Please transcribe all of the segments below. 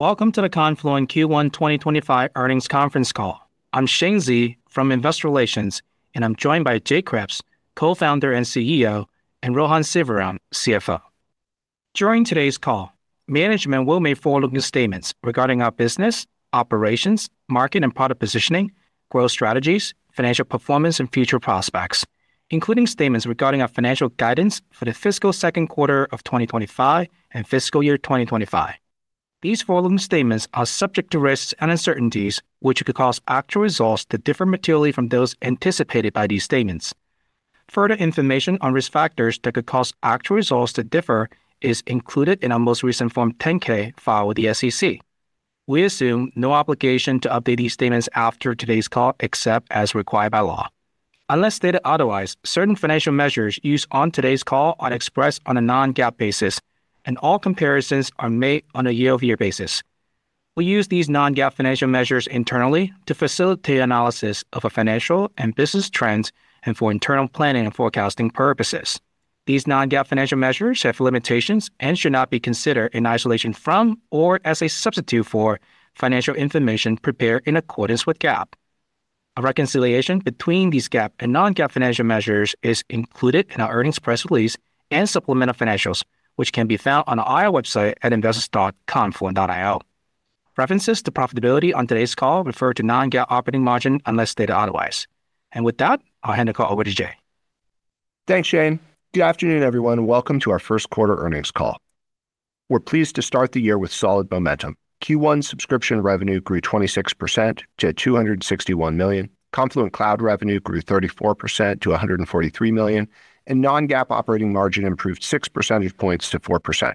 Welcome to the Confluent Q1 2025 earnings conference call. I'm Shane Xie from Investor Relations, and I'm joined by Jay Kreps, co-founder and CEO, and Rohan Sivaram, CFO. During today's call, management will make forward-looking statements regarding our business, operations, market and product positioning, growth strategies, financial performance, and future prospects, including statements regarding our financial guidance for the fiscal Q2 of 2025 and fiscal year 2025. These forward-looking statements are subject to risks and uncertainties, which could cause actual results to differ materially from those anticipated by these statements. Further information on risk factors that could cause actual results to differ is included in our most recent Form 10-K filed with the SEC. We assume no obligation to update these statements after today's call, except as required by law. Unless stated otherwise, certain financial measures used on today's call are expressed on a non-GAAP basis, and all comparisons are made on a year-over-year basis. We use these non-GAAP financial measures internally to facilitate analysis of financial and business trends and for internal planning and forecasting purposes. These non-GAAP financial measures have limitations and should not be considered in isolation from or as a substitute for financial information prepared in accordance with GAAP. A reconciliation between these GAAP and non-GAAP financial measures is included in our earnings press release and supplemental financials, which can be found on our website at investments.confluent.io. References to profitability on today's call refer to non-GAAP operating margin unless stated otherwise. With that, I'll hand the call over to Jay. Thanks, Shane. Good afternoon, everyone. Welcome to our Q1 earnings call. We're pleased to start the year with solid momentum. Q1 subscription revenue grew 26% to $261 million, Confluent Cloud revenue grew 34% to $143 million, and non-GAAP operating margin improved 6 percentage points to 4%.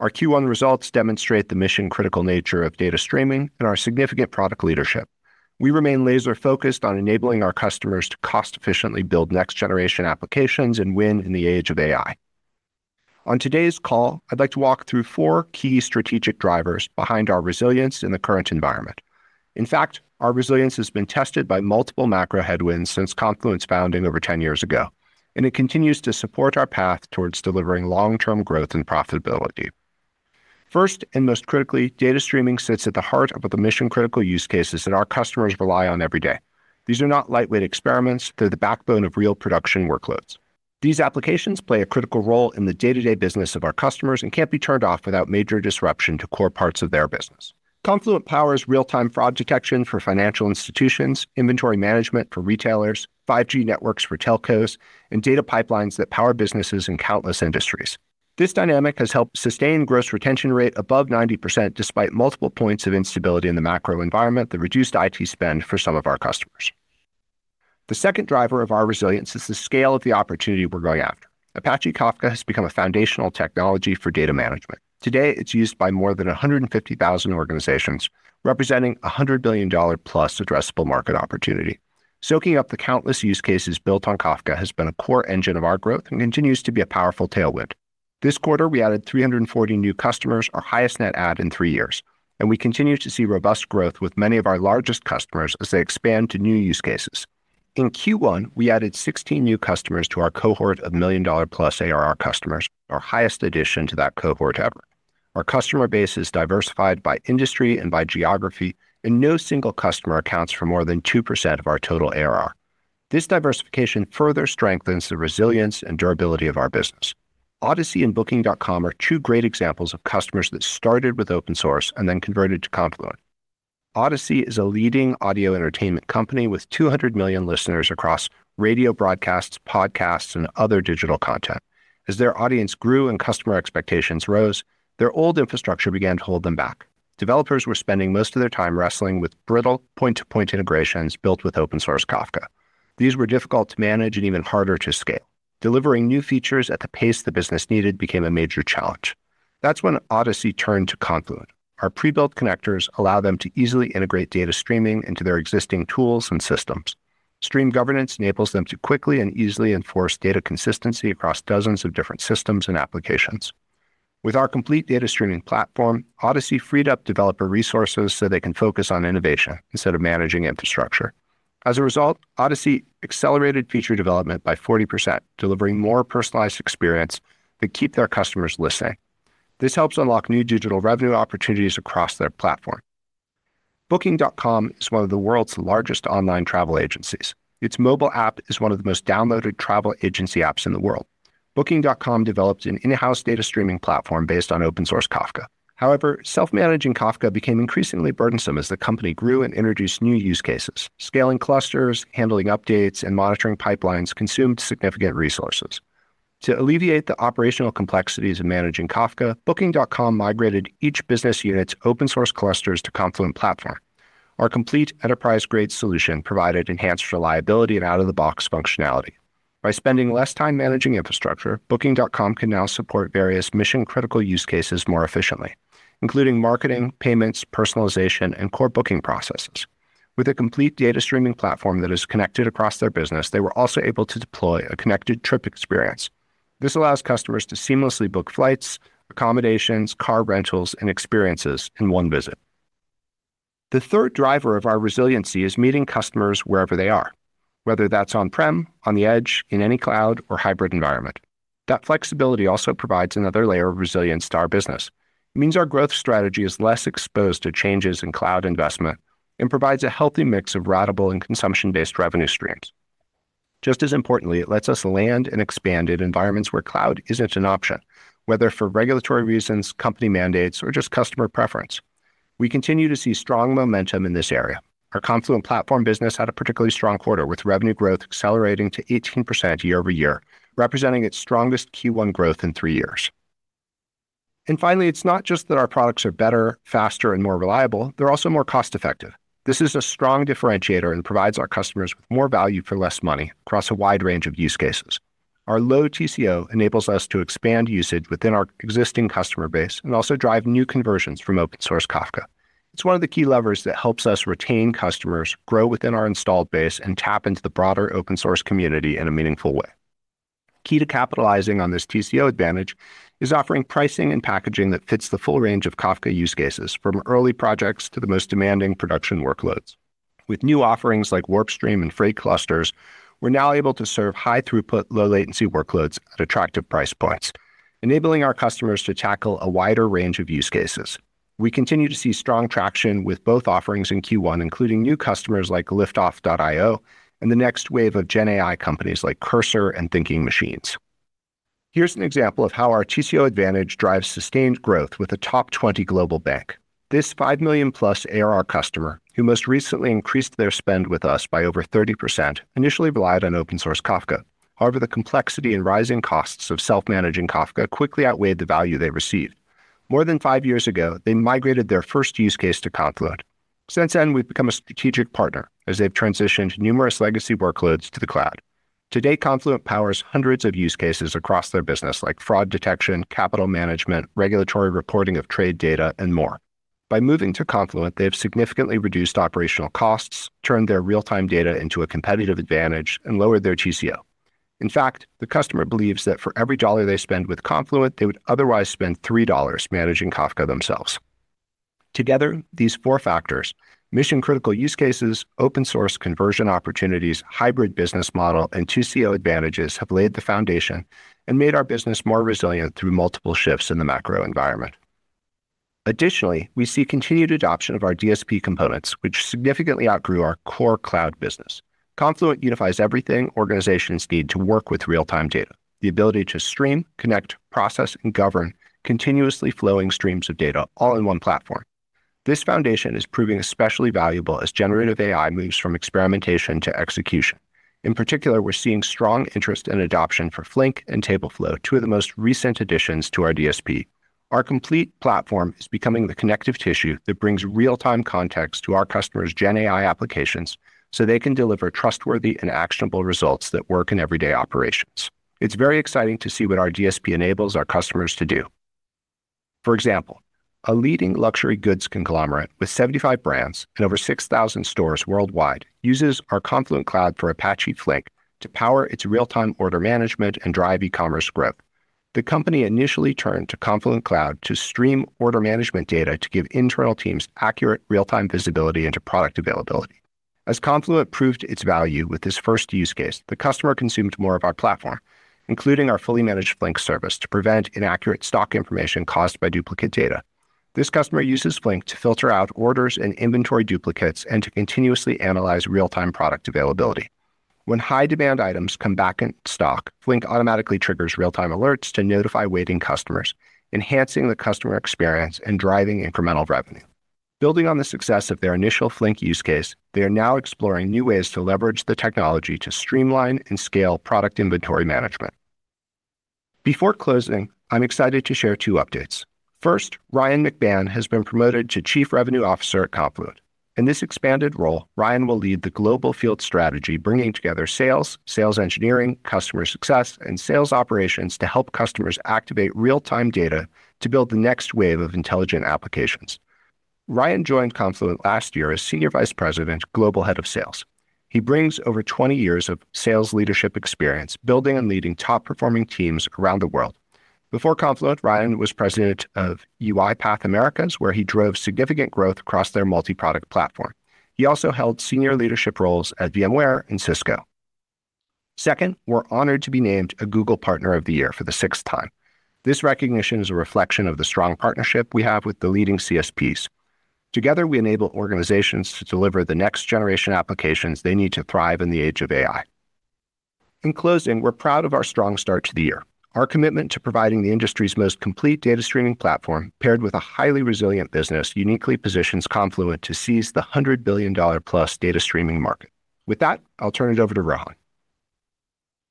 Our Q1 results demonstrate the mission-critical nature of data streaming and our significant product leadership. We remain laser-focused on enabling our customers to cost-efficiently build next-generation applications and win in the age of AI. On today's call, I'd like to walk through four key strategic drivers behind our resilience in the current environment. In fact, our resilience has been tested by multiple macro headwinds since Confluent's founding over 10 years ago, and it continues to support our path towards delivering long-term growth and profitability. First and most critically, data streaming sits at the heart of the mission-critical use cases that our customers rely on every day. These are not lightweight experiments; they're the backbone of real production workloads. These applications play a critical role in the day-to-day business of our customers and can't be turned off without major disruption to core parts of their business. Confluent powers real-time fraud detection for financial institutions, inventory management for retailers, 5G networks for telcos, and data pipelines that power businesses in countless industries. This dynamic has helped sustain gross retention rate above 90% despite multiple points of instability in the macro environment that reduced IT spend for some of our customers. The second driver of our resilience is the scale of the opportunity we're going after. Apache Kafka has become a foundational technology for data management. Today, it's used by more than 150,000 organizations, representing a $100 billion-plus addressable market opportunity. Soaking up the countless use cases built on Kafka has been a core engine of our growth and continues to be a powerful tailwind. This quarter, we added 340 new customers, our highest net add in three years, and we continue to see robust growth with many of our largest customers as they expand to new use cases. In Q1, we added 16 new customers to our cohort of million-plus ARR customers, our highest addition to that cohort ever. Our customer base is diversified by industry and by geography, and no single customer accounts for more than 2% of our total ARR. This diversification further strengthens the resilience and durability of our business. Odyssey and Booking.com are two great examples of customers that started with open source and then converted to Confluent. Odyssey is a leading audio entertainment company with 200 million listeners across radio broadcasts, podcasts, and other digital content. As their audience grew and customer expectations rose, their old infrastructure began to hold them back. Developers were spending most of their time wrestling with brittle point-to-point integrations built with open-source Kafka. These were difficult to manage and even harder to scale. Delivering new features at the pace the business needed became a major challenge. That is when Odyssey turned to Confluent. Our pre-built connectors allow them to easily integrate data streaming into their existing tools and systems. Stream Governance enables them to quickly and easily enforce data consistency across dozens of different systems and applications. With our complete Data Streaming Platform, Odyssey freed up developer resources so they can focus on innovation instead of managing infrastructure. As a result, Odyssey accelerated feature development by 40%, delivering more personalized experience that keeps their customers listening. This helps unlock new digital revenue opportunities across their platform. Booking.com is one of the world's largest online travel agencies. Its mobile app is one of the most downloaded travel agency apps in the world. Booking.com developed an in-house data streaming platform based on open-source Kafka. However, self-managing Kafka became increasingly burdensome as the company grew and introduced new use cases. Scaling clusters, handling updates, and monitoring pipelines consumed significant resources. To alleviate the operational complexities of managing Kafka, Booking.com migrated each business unit's open-source clusters to Confluent Platform. Our complete enterprise-grade solution provided enhanced reliability and out-of-the-box functionality. By spending less time managing infrastructure, Booking.com can now support various mission-critical use cases more efficiently, including marketing, payments, personalization, and core booking processes. With a complete data streaming platform that is connected across their business, they were also able to deploy a connected trip experience. This allows customers to seamlessly book flights, accommodations, car rentals, and experiences in one visit. The third driver of our resiliency is meeting customers wherever they are, whether that's on-prem, on the edge, in any cloud, or hybrid environment. That flexibility also provides another layer of resilience to our business. It means our growth strategy is less exposed to changes in cloud investment and provides a healthy mix of routable and consumption-based revenue streams. Just as importantly, it lets us land and expand in environments where cloud isn't an option, whether for regulatory reasons, company mandates, or just customer preference. We continue to see strong momentum in this area. Our Confluent Platform business had a particularly strong quarter, with revenue growth accelerating to 18% year-over-year, representing its strongest Q1 growth in three years. Finally, it's not just that our products are better, faster, and more reliable; they're also more cost-effective. This is a strong differentiator and provides our customers with more value for less money across a wide range of use cases. Our low TCO enables us to expand usage within our existing customer base and also drive new conversions from open-source Kafka. It's one of the key levers that helps us retain customers, grow within our installed base, and tap into the broader open-source community in a meaningful way. Key to capitalizing on this TCO advantage is offering pricing and packaging that fits the full range of Kafka use cases, from early projects to the most demanding production workloads. With new offerings like WarpStream and Freight Clusters, we're now able to serve high-throughput, low-latency workloads at attractive price points, enabling our customers to tackle a wider range of use cases. We continue to see strong traction with both offerings in Q1, including new customers like Liftoff.io and the next wave of GenAI companies like Cursor and Thinking Machines. Here's an example of how our TCO advantage drives sustained growth with a top 20 global bank. This $5 million-plus ARR customer, who most recently increased their spend with us by over 30%, initially relied on open-source Kafka. However, the complexity and rising costs of self-managing Kafka quickly outweighed the value they received. More than five years ago, they migrated their first use case to Confluent. Since then, we've become a strategic partner as they've transitioned numerous legacy workloads to the cloud. Today, Confluent powers hundreds of use cases across their business, like fraud detection, capital management, regulatory reporting of trade data, and more. By moving to Confluent, they've significantly reduced operational costs, turned their real-time data into a competitive advantage, and lowered their TCO. In fact, the customer believes that for every dollar they spend with Confluent, they would otherwise spend $3 managing Kafka themselves. Together, these four factors—mission-critical use cases, open-source conversion opportunities, hybrid business model, and TCO advantages—have laid the foundation and made our business more resilient through multiple shifts in the macro environment. Additionally, we see continued adoption of our DSP components, which significantly outgrew our core cloud business. Confluent unifies everything organizations need to work with real-time data: the ability to stream, connect, process, and govern continuously flowing streams of data, all in one platform. This foundation is proving especially valuable as generative AI moves from experimentation to execution. In particular, we're seeing strong interest in adoption for Flink and TableFlow, two of the most recent additions to our DSP. Our complete platform is becoming the connective tissue that brings real-time context to our customers' GenAI applications so they can deliver trustworthy and actionable results that work in everyday operations. It's very exciting to see what our DSP enables our customers to do. For example, a leading luxury goods conglomerate with 75 brands and over 6,000 stores worldwide uses our Confluent Cloud for Apache Flink to power its real-time order management and drive e-commerce growth. The company initially turned to Confluent Cloud to stream order management data to give internal teams accurate real-time visibility into product availability. As Confluent proved its value with this first use case, the customer consumed more of our platform, including our fully managed Flink service, to prevent inaccurate stock information caused by duplicate data. This customer uses Flink to filter out orders and inventory duplicates and to continuously analyze real-time product availability. When high-demand items come back in stock, Flink automatically triggers real-time alerts to notify waiting customers, enhancing the customer experience and driving incremental revenue. Building on the success of their initial Flink use case, they are now exploring new ways to leverage the technology to streamline and scale product inventory management. Before closing, I'm excited to share two updates. First, Ryan McBann has been promoted to Chief Revenue Officer at Confluent. In this expanded role, Ryan will lead the global field strategy, bringing together sales, sales engineering, customer success, and sales operations to help customers activate real-time data to build the next wave of intelligent applications. Ryan joined Confluent last year as Senior Vice President, Global Head of Sales. He brings over 20 years of sales leadership experience, building and leading top-performing teams around the world. Before Confluent, Ryan was President of UiPath Americas, where he drove significant growth across their multi-product platform. He also held senior leadership roles at VMware and Cisco. Second, we're honored to be named a Google Partner of the Year for the sixth time. This recognition is a reflection of the strong partnership we have with the leading CSPs. Together, we enable organizations to deliver the next-generation applications they need to thrive in the age of AI. In closing, we're proud of our strong start to the year. Our commitment to providing the industry's most complete data streaming platform, paired with a highly resilient business, uniquely positions Confluent to seize the $100 billion-plus data streaming market. With that, I'll turn it over to Rohan.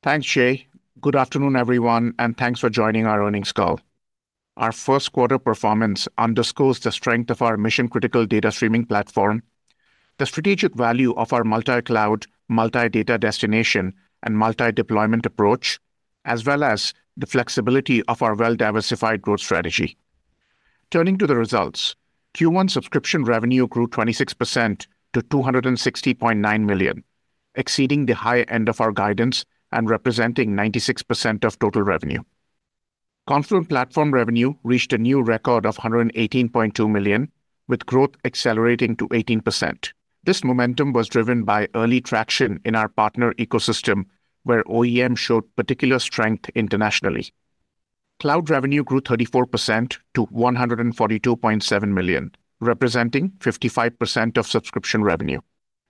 Thanks, Jay. Good afternoon, everyone, and thanks for joining our earnings call. Our Q1 performance underscores the strength of our mission-critical data streaming platform, the strategic value of our multi-cloud, multi-data destination, and multi-deployment approach, as well as the flexibility of our well-diversified growth strategy. Turning to the results, Q1 subscription revenue grew 26% to $260.9 million, exceeding the high end of our guidance and representing 96% of total revenue. Confluent Platform revenue reached a new record of $118.2 million, with growth accelerating to 18%. This momentum was driven by early traction in our partner ecosystem, where OEM showed particular strength internationally. Cloud revenue grew 34% to $142.7 million, representing 55% of subscription revenue.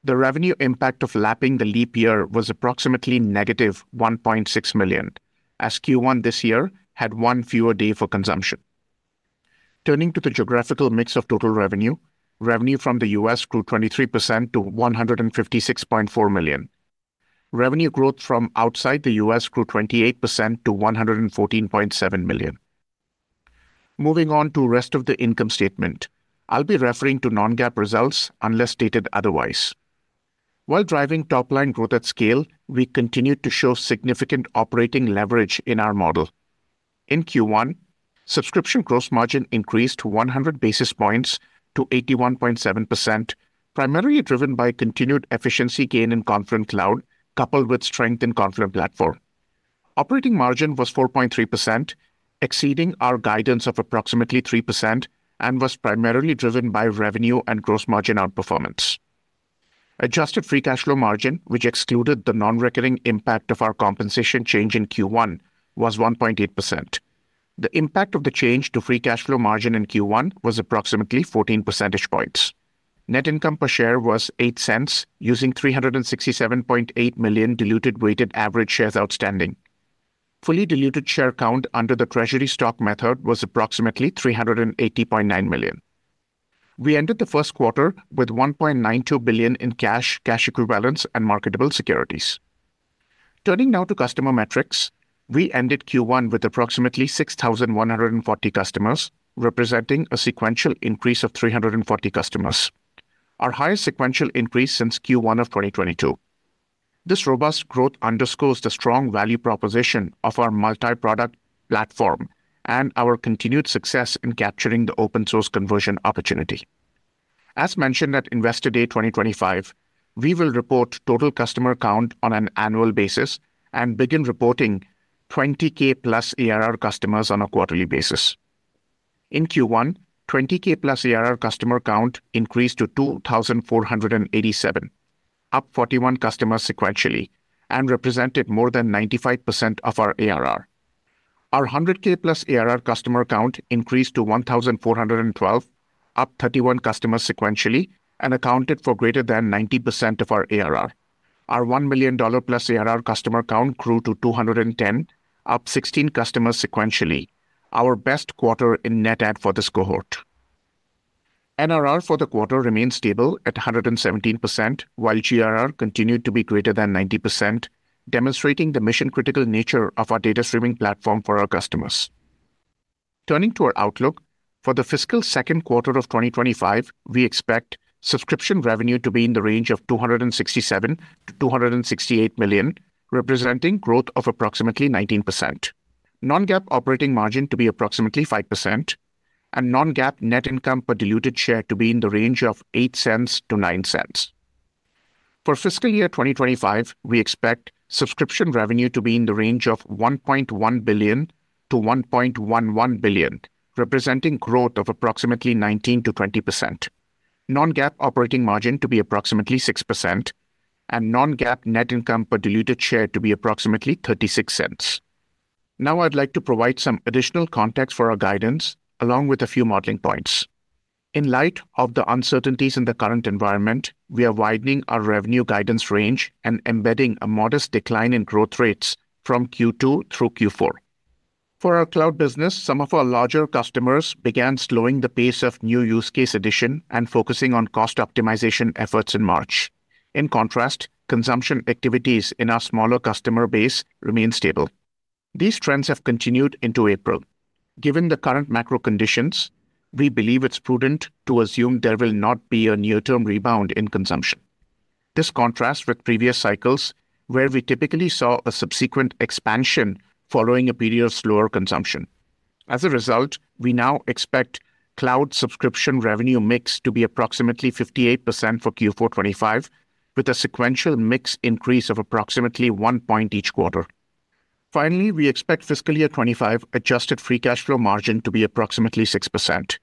The revenue impact of lapping the leap year was approximately negative $1.6 million, as Q1 this year had one fewer day for consumption. Turning to the geographical mix of total revenue, revenue from the US grew 23% to $156.4 million. Revenue growth from outside the US grew 28% to $114.7 million. Moving on to the rest of the income statement, I'll be referring to non-GAAP results, unless stated otherwise. While driving top-line growth at scale, we continued to show significant operating leverage in our model. In Q1, subscription gross margin increased 100 basis points to 81.7%, primarily driven by continued efficiency gain in Confluent Cloud, coupled with strength in Confluent Platform. Operating margin was 4.3%, exceeding our guidance of approximately 3%, and was primarily driven by revenue and gross margin outperformance. Adjusted free cash flow margin, which excluded the non-recurring impact of our compensation change in Q1, was 1.8%. The impact of the change to free cash flow margin in Q1 was approximately 14 percentage points. Net income per share was $0.08, using 367.8 million diluted weighted average shares outstanding. Fully diluted share count under the treasury stock method was approximately 380.9 million. We ended the Q1 with $1.92 billion in cash, cash equivalents, and marketable securities. Turning now to customer metrics, we ended Q1 with approximately 6,140 customers, representing a sequential increase of 340 customers. Our highest sequential increase since Q1 of 2022. This robust growth underscores the strong value proposition of our multi-product platform and our continued success in capturing the open-source conversion opportunity. As mentioned at Investor Day 2025, we will report total customer count on an annual basis and begin reporting $20,000 plus ARR customers on a quarterly basis. In Q1, $20,000 plus ARR customer count increased to 2,487, up 41 customers sequentially, and represented more than 95% of our ARR. Our $100,000 plus ARR customer count increased to 1,412, up 31 customers sequentially, and accounted for greater than 90% of our ARR. Our $1 million plus ARR customer count grew to 210, up 16 customers sequentially. Our best quarter in net add for this cohort. NRR for the quarter remained stable at 117%, while GRR continued to be greater than 90%, demonstrating the mission-critical nature of our data streaming platform for our customers. Turning to our outlook, for the fiscal Q2 of 2025, we expect subscription revenue to be in the range of $267 million-$268 million, representing growth of approximately 19%. Non-GAAP operating margin to be approximately 5%, and non-GAAP net income per diluted share to be in the range of $0.08-$0.09. For fiscal year 2025, we expect subscription revenue to be in the range of $1.1 billion-$1.11 billion, representing growth of approximately 19%-20%. Non-GAAP operating margin to be approximately 6%, and non-GAAP net income per diluted share to be approximately $0.36. Now, I'd like to provide some additional context for our guidance, along with a few modeling points. In light of the uncertainties in the current environment, we are widening our revenue guidance range and embedding a modest decline in growth rates from Q2 through Q4. For our cloud business, some of our larger customers began slowing the pace of new use case addition and focusing on cost optimization efforts in March. In contrast, consumption activities in our smaller customer base remain stable. These trends have continued into April. Given the current macro conditions, we believe it's prudent to assume there will not be a near-term rebound in consumption. This contrasts with previous cycles, where we typically saw a subsequent expansion following a period of slower consumption. As a result, we now expect cloud subscription revenue mix to be approximately 58% for Q4 2025, with a sequential mix increase of approximately one point each quarter. Finally, we expect fiscal year 2025 adjusted free cash flow margin to be approximately 6%.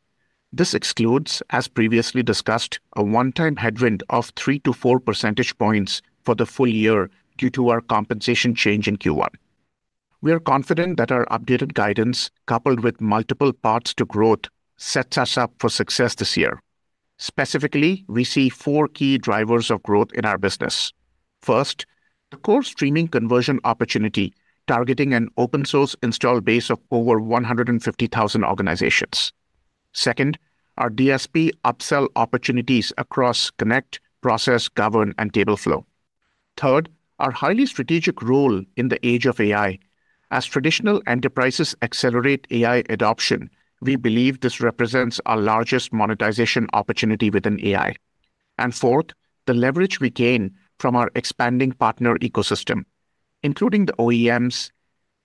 This excludes, as previously discussed, a one-time headwind of 3%-4% points for the full year due to our compensation change in Q1. We are confident that our updated guidance, coupled with multiple paths to growth, sets us up for success this year. Specifically, we see four key drivers of growth in our business. First, the core streaming conversion opportunity targeting an open-source install base of over 150,000 organizations. Second, our DSP upsell opportunities across Connect, Process, Govern, and TableFlow. Third, our highly strategic role in the age of AI. As traditional enterprises accelerate AI adoption, we believe this represents our largest monetization opportunity within AI. Fourth, the leverage we gain from our expanding partner ecosystem, including the OEMs,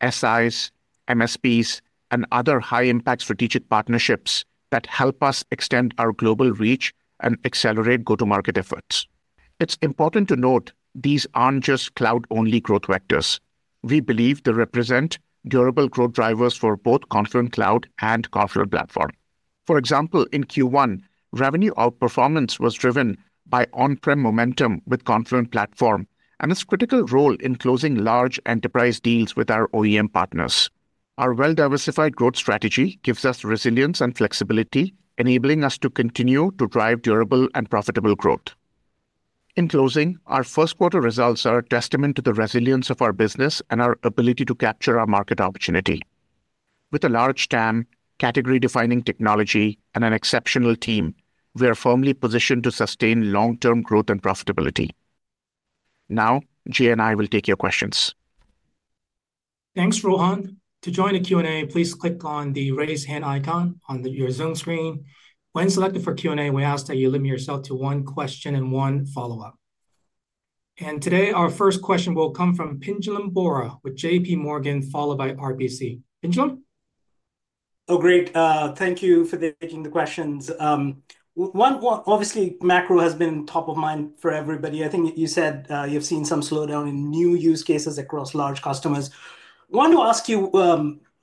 SIs, MSPs, and other high-impact strategic partnerships that help us extend our global reach and accelerate go-to-market efforts. It's important to note these aren't just cloud-only growth vectors. We believe they represent durable growth drivers for both Confluent Cloud and Confluent Platform. For example, in Q1, revenue outperformance was driven by on-prem momentum with Confluent Platform and its critical role in closing large enterprise deals with our OEM partners. Our well-diversified growth strategy gives us resilience and flexibility, enabling us to continue to drive durable and profitable growth. In closing, our Q1 results are a testament to the resilience of our business and our ability to capture our market opportunity. With a large TAM, category-defining technology, and an exceptional team, we are firmly positioned to sustain long-term growth and profitability. Now, Jay and I will take your questions. Thanks, Rohan. To join a Q&A, please click on the raise hand icon on your Zoom screen. When selected for Q&A, we ask that you limit yourself to one question and one follow-up. Today, our first question will come from Pinjalim Bora with JP Morgan, followed by RBC. Pinjal? Oh, great. Thank you for taking the questions. One, obviously, macro has been top of mind for everybody. I think you said you've seen some slowdown in new use cases across large customers. I want to ask you,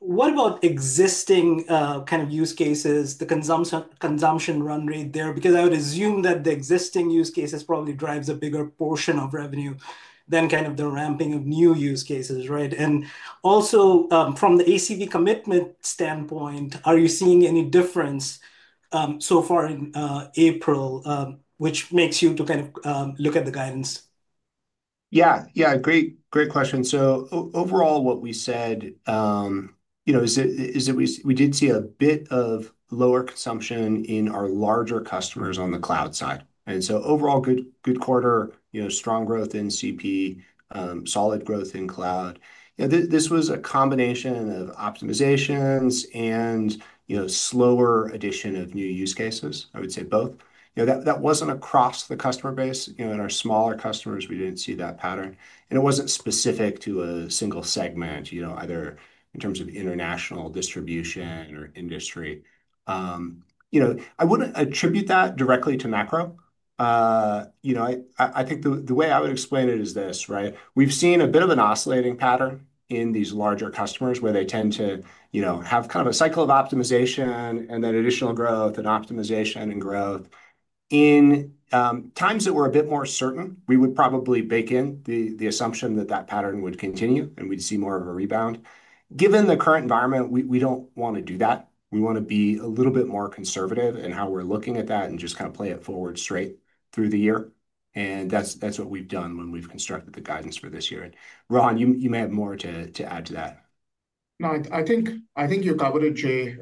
what about existing kind of use cases, the consumption run rate there? Because I would assume that the existing use cases probably drive a bigger portion of revenue than kind of the ramping of new use cases, right? Also, from the ACV commitment standpoint, are you seeing any difference so far in April, which makes you to kind of look at the guidance? Yeah, yeah, great, great question. Overall, what we said, you know, is that we did see a bit of lower consumption in our larger customers on the cloud side. Overall, good, good quarter, you know, strong growth in CP, solid growth in cloud. You know, this was a combination of optimizations and, you know, slower addition of new use cases. I would say both. You know, that was not across the customer base. You know, in our smaller customers, we did not see that pattern. And it was not specific to a single segment, you know, either in terms of international distribution or industry. You know, I would not attribute that directly to macro. You know, I think the way I would explain it is this, right? We have seen a bit of an oscillating pattern in these larger customers where they tend to, you know, have kind of a cycle of optimization and then additional growth and optimization and growth. In times that are a bit more certain, we would probably bake in the assumption that that pattern would continue and we would see more of a rebound. Given the current environment, we do not want to do that. We want to be a little bit more conservative in how we're looking at that and just kind of play it forward straight through the year. That is what we've done when we've constructed the guidance for this year. Rohan, you may have more to add to that. No, I think you covered it, Jay.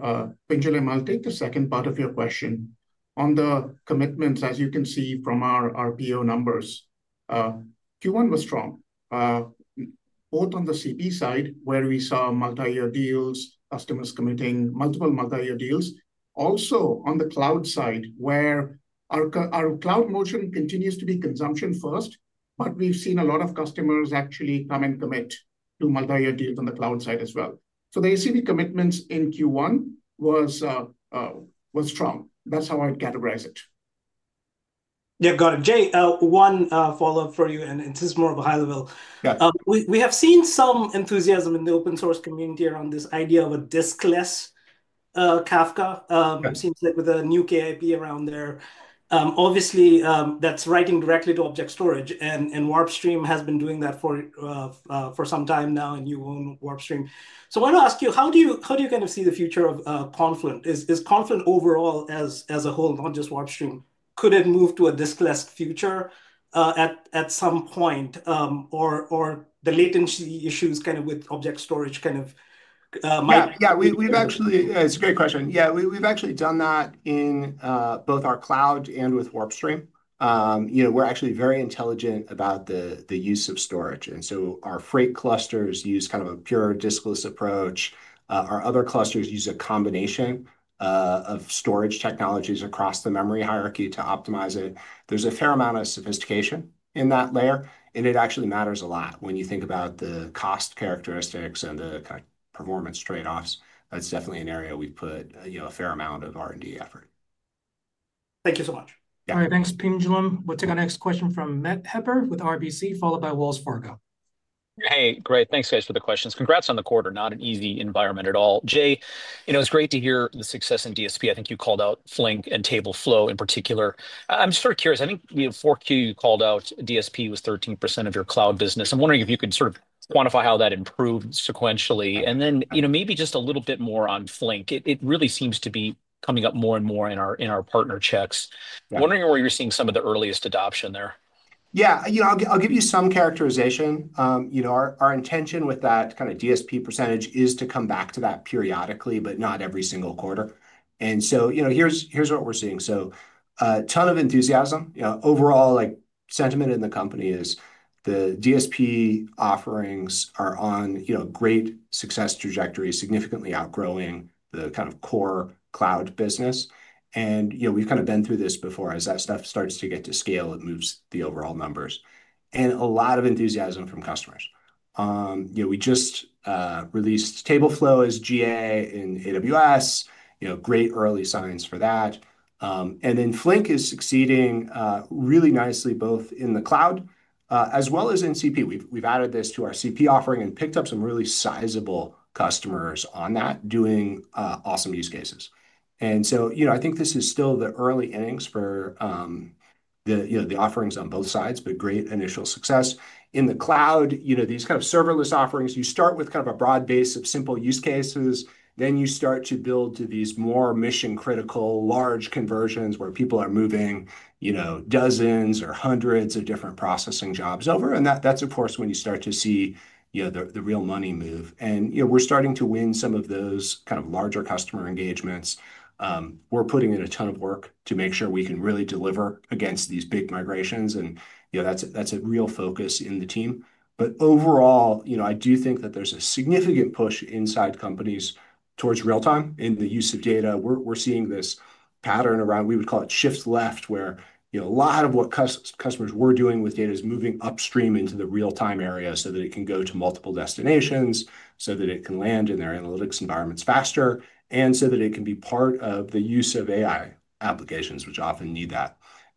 Pinjamil Bora, I'll take the second part of your question. On the commitments, as you can see from our RPO numbers, Q1 was strong. Both on the CP side, where we saw multi-year deals, customers committing multiple multi-year deals. Also on the cloud side, where our cloud motion continues to be consumption first, but we've seen a lot of customers actually come and commit to multi-year deals on the cloud side as well. The ACV commitments in Q1 were strong. That is how I'd categorize it. Yeah, got it. Jay, one follow-up for you, and this is more of a high level. We have seen some enthusiasm in the open-source community around this idea of a diskless Kafka. It seems like with a new KIP around there. Obviously, that's writing directly to object storage, and WarpStream has been doing that for some time now, and you own WarpStream. So I want to ask you, how do you kind of see the future of Confluent? Is Confluent overall as a whole, not just WarpStream, could it move to a diskless future at some point? Or the latency issues kind of with object storage kind of might? Yeah, we've actually, it's a great question. Yeah, we've actually done that in both our cloud and with WarpStream. You know, we're actually very intelligent about the use of storage. And so our Freight Clusters use kind of a pure diskless approach. Our other clusters use a combination of storage technologies across the memory hierarchy to optimize it. There's a fair amount of sophistication in that layer, and it actually matters a lot when you think about the cost characteristics and the kind of performance trade-offs. That's definitely an area we've put, you know, a fair amount of R&D effort. Thank you so much. All right, thanks, Pinjalim. We'll take our next question from Matt Hedberg with RBC, followed by Wells Fargo. Hey, great. Thanks, guys, for the questions. Congrats on the quarter. Not an easy environment at all. Jay, you know, it's great to hear the success in DSP. I think you called out Flink and TableFlow in particular. I'm sort of curious. I think, you know, 4Q you called out DSP was 13% of your cloud business. I'm wondering if you could sort of quantify how that improved sequentially. And then, you know, maybe just a little bit more on Flink. It really seems to be coming up more and more in our partner checks. Wondering where you're seeing some of the earliest adoption there. Yeah, you know, I'll give you some characterization. You know, our intention with that kind of DSP percentage is to come back to that periodically, but not every single quarter. You know, here's what we're seeing. A ton of enthusiasm. You know, overall, like sentiment in the company is the DSP offerings are on, you know, great success trajectory, significantly outgrowing the kind of core cloud business. You know, we've kind of been through this before. As that stuff starts to get to scale, it moves the overall numbers. A lot of enthusiasm from customers. You know, we just released TableFlow as GA in AWS. You know, great early signs for that. Flink is succeeding really nicely both in the cloud as well as in CP. We've added this to our CP offering and picked up some really sizable customers on that doing awesome use cases. You know, I think this is still the early innings for the, you know, the offerings on both sides, but great initial success. In the cloud, you know, these kind of serverless offerings, you start with kind of a broad base of simple use cases. Then you start to build to these more mission-critical large conversions where people are moving, you know, dozens or hundreds of different processing jobs over. That's, of course, when you start to see, you know, the real money move. You know, we're starting to win some of those kind of larger customer engagements. We're putting in a ton of work to make sure we can really deliver against these big migrations. You know, that's a real focus in the team. Overall, you know, I do think that there's a significant push inside companies towards real-time in the use of data. We're seeing this pattern around, we would call it shift left, where, you know, a lot of what customers were doing with data is moving upstream into the real-time area so that it can go to multiple destinations, so that it can land in their analytics environments faster, and so that it can be part of the use of AI applications, which often need that.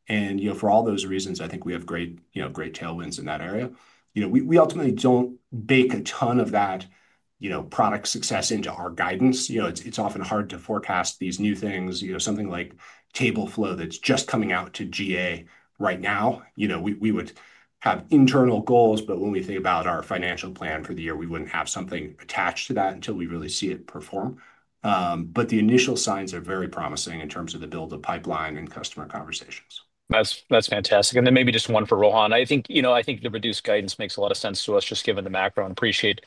You know, for all those reasons, I think we have great, you know, great tailwinds in that area. You know, we ultimately don't bake a ton of that, you know, product success into our guidance. You know, it's often hard to forecast these new things. You know, something like TableFlow that's just coming out to GA right now, you know, we would have internal goals, but when we think about our financial plan for the year, we wouldn't have something attached to that until we really see it perform. The initial signs are very promising in terms of the build of pipeline and customer conversations. That's fantastic. Maybe just one for Rohan. I think, you know, I think the reduced guidance makes a lot of sense to us just given the macro and appreciate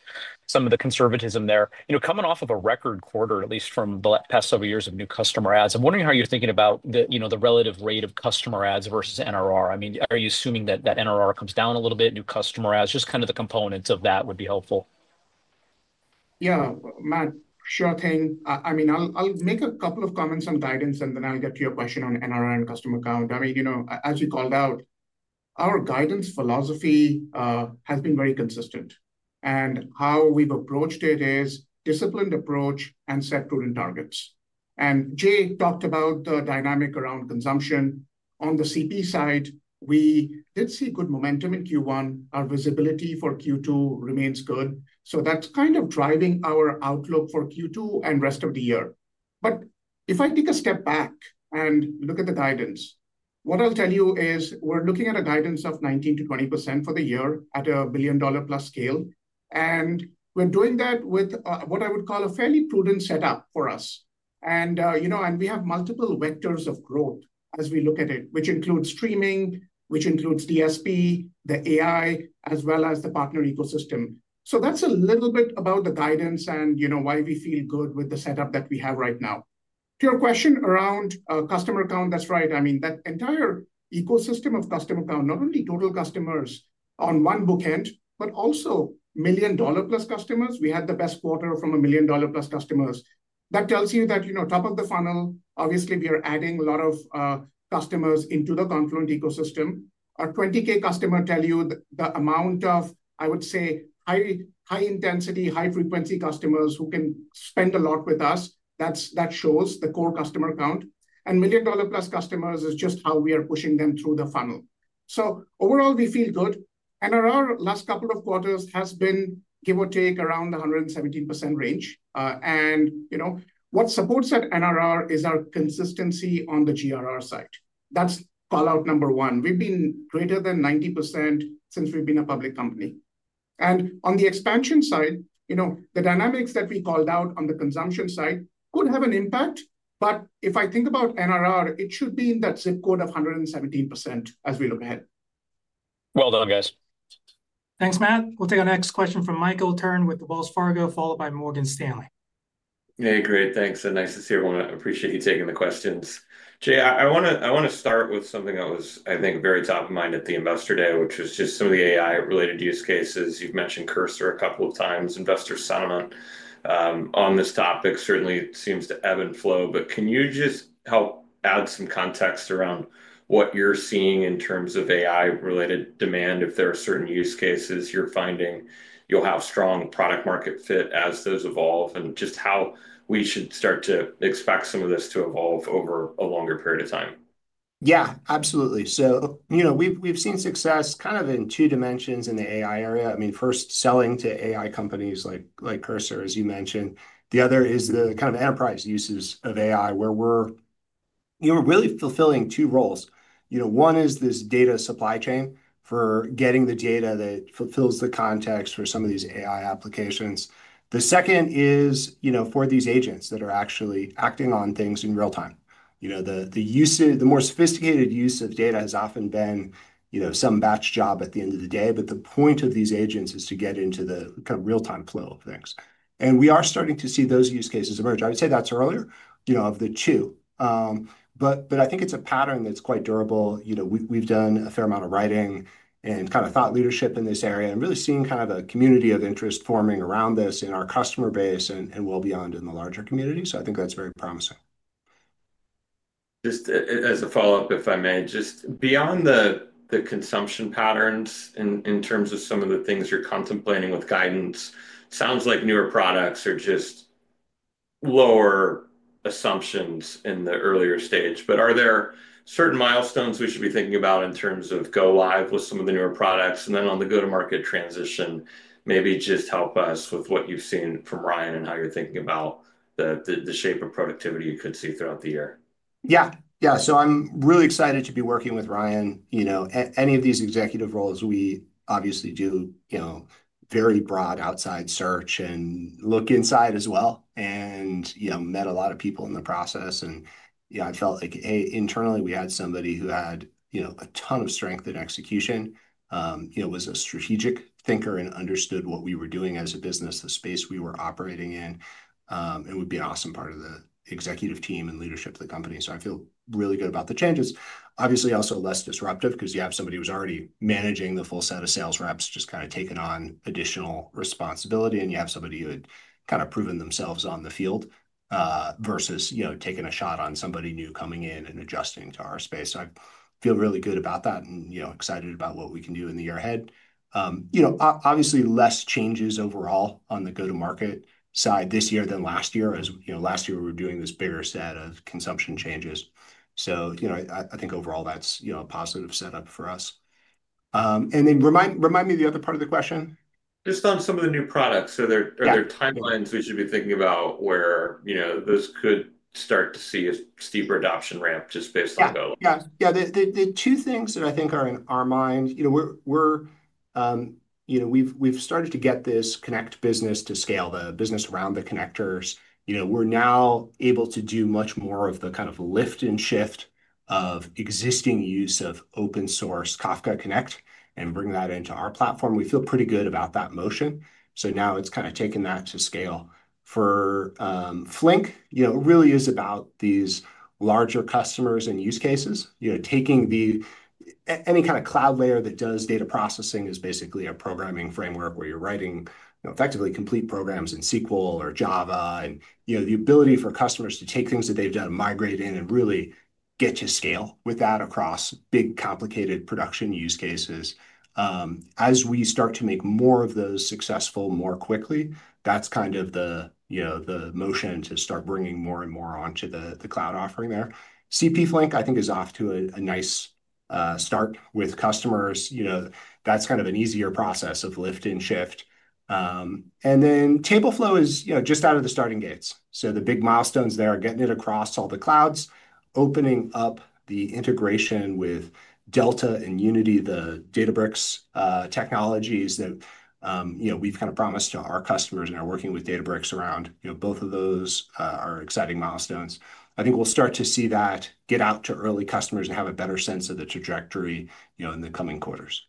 some of the conservatism there. You know, coming off of a record quarter, at least from the past several years of new customer ads, I'm wondering how you're thinking about the, you know, the relative rate of customer ads versus NRR. I mean, are you assuming that that NRR comes down a little bit, new customer ads? Just kind of the components of that would be helpful. Yeah, Matt, sure thing. I mean, I'll make a couple of comments on guidance, and then I'll get to your question on NRR and customer count. I mean, you know, as you called out, our guidance philosophy has been very consistent. How we've approached it is disciplined approach and set prudent targets. Jay talked about the dynamic around consumption. On the CP side, we did see good momentum in Q1. Our visibility for Q2 remains good. That's kind of driving our outlook for Q2 and rest of the year. If I take a step back and look at the guidance, what I'll tell you is we're looking at a guidance of 19%-20% for the year at a billion-dollar-plus scale. We're doing that with what I would call a fairly prudent setup for us. You know, we have multiple vectors of growth as we look at it, which includes streaming, which includes DSP, the AI, as well as the partner ecosystem. That's a little bit about the guidance and, you know, why we feel good with the setup that we have right now. To your question around customer count, that's right. I mean, that entire ecosystem of customer count, not only total customers on one bookend, but also million-dollar-plus customers. We had the best quarter from a million-dollar-plus customers. That tells you that, you know, top of the funnel, obviously we are adding a lot of customers into the Confluent ecosystem. Our 20K customer tells you the amount of, I would say, high, high intensity, high frequency customers who can spend a lot with us. That shows the core customer count. And million-dollar-plus customers is just how we are pushing them through the funnel. Overall, we feel good. NRR last couple of quarters has been, give or take, around the 117% range. You know, what supports that NRR is our consistency on the GRR side. That's callout number one. We've been greater than 90% since we've been a public company. On the expansion side, you know, the dynamics that we called out on the consumption side could have an impact. If I think about NRR, it should be in that zip code of 117% as we look ahead. Well done, guys. Thanks, Matt. We'll take our next question from Michael Turrin with Wells Fargo, followed by Morgan Stanley. Hey, great. Thanks. Nice to see everyone. I appreciate you taking the questions. Jay, I want to start with something that was, I think, very top of mind at the investor day, which was just some of the AI-related use cases. You've mentioned Cursor a couple of times, investor sentiment on this topic. Certainly, it seems to ebb and flow. Can you just help add some context around what you're seeing in terms of AI-related demand? If there are certain use cases you're finding, you'll have strong product-market fit as those evolve and just how we should start to expect some of this to evolve over a longer period of time. Yeah, absolutely. So, you know, we've seen success kind of in two dimensions in the AI area. I mean, first, selling to AI companies like Cursor, as you mentioned. The other is the kind of enterprise uses of AI where we're, you know, really fulfilling two roles. You know, one is this data supply chain for getting the data that fulfills the context for some of these AI applications. The second is, you know, for these agents that are actually acting on things in real time. You know, the more sophisticated use of data has often been, you know, some batch job at the end of the day. The point of these agents is to get into the kind of real-time flow of things. We are starting to see those use cases emerge. I would say that's earlier, you know, of the two. I think it's a pattern that's quite durable. You know, we've done a fair amount of writing and kind of thought leadership in this area and really seeing kind of a community of interest forming around this in our customer base and well beyond in the larger community. I think that's very promising. Just as a follow-up, if I may, just beyond the consumption patterns in terms of some of the things you're contemplating with guidance, sounds like newer products are just lower assumptions in the earlier stage. Are there certain milestones we should be thinking about in terms of go live with some of the newer products? On the go-to-market transition, maybe just help us with what you've seen from Ryan and how you're thinking about the shape of productivity you could see throughout the year. Yeah, yeah. I am really excited to be working with Ryan. You know, any of these executive roles, we obviously do, you know, very broad outside search and look inside as well. You know, met a lot of people in the process. You know, I felt like, hey, internally, we had somebody who had, you know, a ton of strength in execution, was a strategic thinker and understood what we were doing as a business, the space we were operating in. It would be an awesome part of the executive team and leadership of the company. I feel really good about the changes. Obviously, also less disruptive because you have somebody who's already managing the full set of sales reps, just kind of taking on additional responsibility. And you have somebody who had kind of proven themselves on the field versus, you know, taking a shot on somebody new coming in and adjusting to our space. I feel really good about that and, you know, excited about what we can do in the year ahead. You know, obviously, less changes overall on the go-to-market side this year than last year. As you know, last year, we were doing this bigger set of consumption changes. So, you know, I think overall, that's, you know, a positive setup for us. And then remind me of the other part of the question. Just on some of the new products. Are there timelines we should be thinking about where, you know, those could start to see a steeper adoption ramp just based on go-to-market? Yeah, yeah. The two things that I think are in our mind, you know, we've started to get this connect business to scale the business around the connectors. You know, we're now able to do much more of the kind of lift and shift of existing use of open-source Kafka Connect and bring that into our platform. We feel pretty good about that motion. Now it's kind of taken that to scale. For Flink, you know, it really is about these larger customers and use cases, you know, taking the any kind of cloud layer that does data processing is basically a programming framework where you're writing, you know, effectively complete programs in SQL or Java. You know, the ability for customers to take things that they've done, migrate in, and really get to scale with that across big, complicated production use cases. As we start to make more of those successful more quickly, that's kind of the, you know, the motion to start bringing more and more onto the cloud offering there. CP Flink, I think, is off to a nice start with customers. You know, that's kind of an easier process of lift and shift. TableFlow is, you know, just out of the starting gates. The big milestones there are getting it across all the clouds, opening up the integration with Delta and Unity, the Databricks technologies that, you know, we've kind of promised to our customers and are working with Databricks around. Both of those are exciting milestones. I think we'll start to see that get out to early customers and have a better sense of the trajectory, you know, in the coming quarters.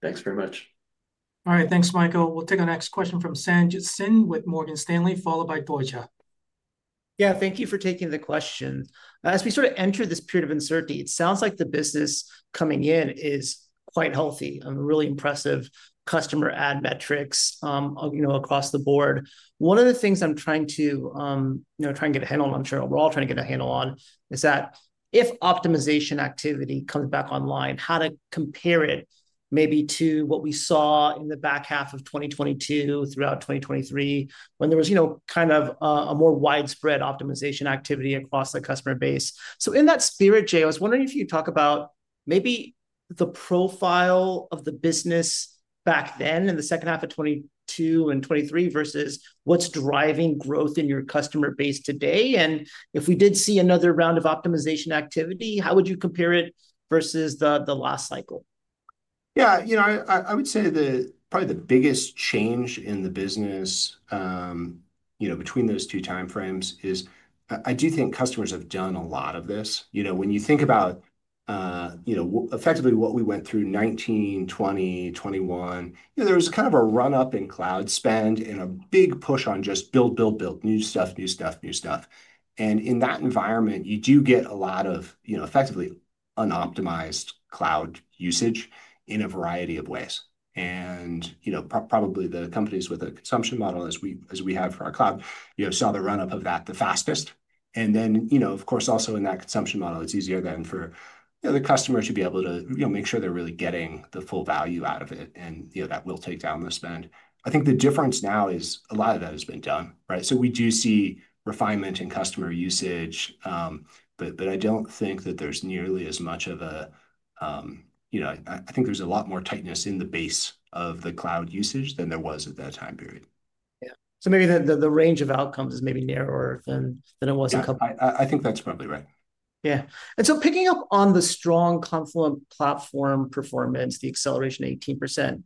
Thanks very much. All right, thanks, Michael. We'll take our next question from Sanjit Singh with Morgan Stanley, followed by Dorja. Yeah, thank you for taking the question. As we sort of enter this period of uncertainty, it sounds like the business coming in is quite healthy and really impressive customer ad metrics, you know, across the board. One of the things I'm trying to, you know, try and get a handle on, I'm sure we're all trying to get a handle on, is that if optimization activity comes back online, how to compare it maybe to what we saw in the back half of 2022, throughout 2023, when there was, you know, kind of a more widespread optimization activity across the customer base. In that spirit, Jay, I was wondering if you could talk about maybe the profile of the business back then in the second half of 2022 and 2023 versus what's driving growth in your customer base today. If we did see another round of optimization activity, how would you compare it versus the last cycle? Yeah, you know, I would say probably the biggest change in the business between those two time frames is I do think customers have done a lot of this. You know, when you think about, you know, effectively what we went through 2019, 2020, 2021, there was kind of a run-up in cloud spend and a big push on just build, build, build new stuff, new stuff, new stuff. In that environment, you do get a lot of, you know, effectively unoptimized cloud usage in a variety of ways. You know, probably the companies with a consumption model as we have for our cloud, you know, saw the run-up of that the fastest. You know, of course, also in that consumption model, it's easier then for, you know, the customer to be able to, you know, make sure they're really getting the full value out of it. You know, that will take down the spend. I think the difference now is a lot of that has been done, right? We do see refinement in customer usage. I don't think that there's nearly as much of a, you know, I think there's a lot more tightness in the base of the cloud usage than there was at that time period. Yeah. Maybe the range of outcomes is narrower than it was a couple of. I think that's probably right. Yeah. Picking up on the strong Confluent Platform performance, the acceleration 18%,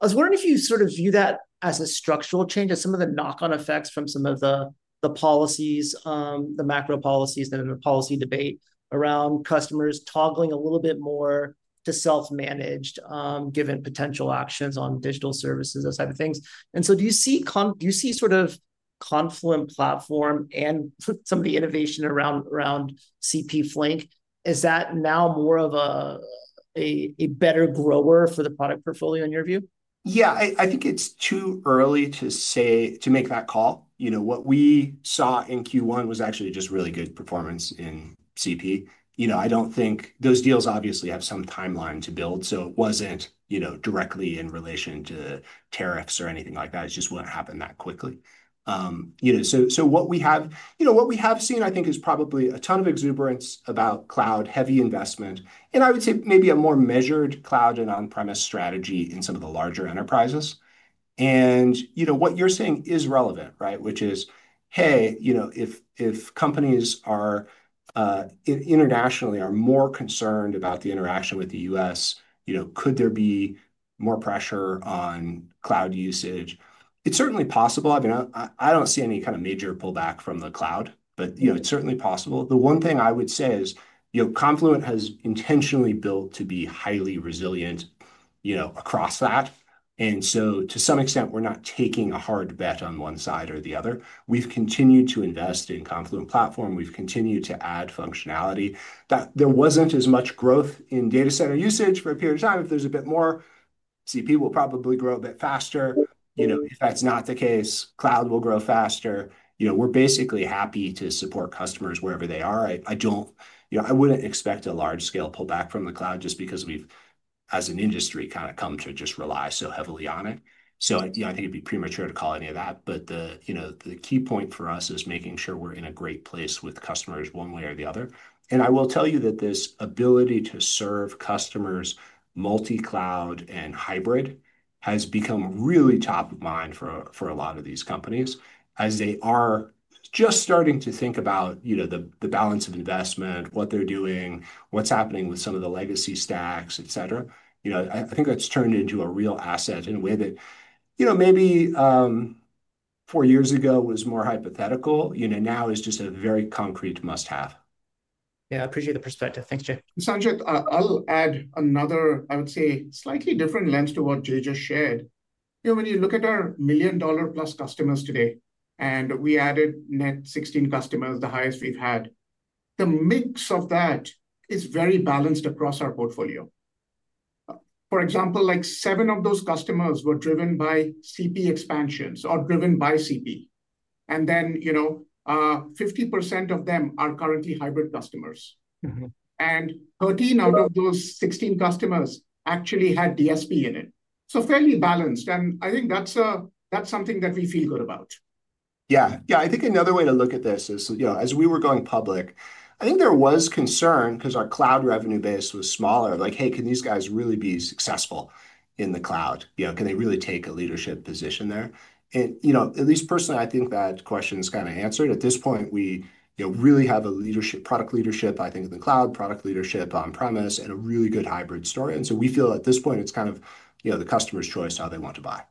I was wondering if you sort of view that as a structural change, as some of the knock-on effects from some of the policies, the macro policies, and then the policy debate around customers toggling a little bit more to self-managed given potential actions on digital services, those type of things. Do you see sort of Confluent Platform and some of the innovation around CP Flink? Is that now more of a better grower for the product portfolio in your view? Yeah, I think it's too early to say, to make that call. You know, what we saw in Q1 was actually just really good performance in CP. You know, I don't think those deals obviously have some timeline to build. It wasn't, you know, directly in relation to tariffs or anything like that. It just wouldn't happen that quickly. You know, what we have seen, I think, is probably a ton of exuberance about cloud-heavy investment. I would say maybe a more measured cloud and on-premise strategy in some of the larger enterprises. You know, what you're saying is relevant, right? Which is, hey, you know, if companies internationally are more concerned about the interaction with the US, you know, could there be more pressure on cloud usage? It's certainly possible. I mean, I don't see any kind of major pullback from the cloud, but, you know, it's certainly possible. The one thing I would say is, you know, Confluent has intentionally built to be highly resilient, you know, across that. And so to some extent, we're not taking a hard bet on one side or the other. We've continued to invest in Confluent Platform. We've continued to add functionality. There wasn't as much growth in data center usage for a period of time. If there's a bit more, CP will probably grow a bit faster. You know, if that's not the case, cloud will grow faster. You know, we're basically happy to support customers wherever they are. I don't, you know, I wouldn't expect a large-scale pullback from the cloud just because we've, as an industry, kind of come to just rely so heavily on it. You know, I think it'd be premature to call any of that. The key point for us is making sure we're in a great place with customers one way or the other. I will tell you that this ability to serve customers multi-cloud and hybrid has become really top of mind for a lot of these companies as they are just starting to think about the balance of investment, what they're doing, what's happening with some of the legacy stacks, et cetera. I think that's turned into a real asset in a way that maybe four years ago was more hypothetical, now is just a very concrete must-have. Yeah, I appreciate the perspective. Thanks, Jay. Sanjit, I'll add another, I would say, slightly different lens to what Jay just shared. You know, when you look at our million-dollar-plus customers today and we added net 16 customers, the highest we've had, the mix of that is very balanced across our portfolio. For example, like seven of those customers were driven by CP expansions or driven by CP. You know, 50% of them are currently hybrid customers. Thirteen out of those 16 customers actually had DSP in it. So fairly balanced. I think that's something that we feel good about. Yeah, yeah. I think another way to look at this is, you know, as we were going public, I think there was concern because our cloud revenue base was smaller. Like, hey, can these guys really be successful in the cloud? You know, can they really take a leadership position there? You know, at least personally, I think that question is kind of answered. At this point, we, you know, really have a leadership, product leadership, I think, in the cloud, product leadership on-premise, and a really good hybrid story. We feel at this point, it's kind of, you know, the customer's choice how they want to buy.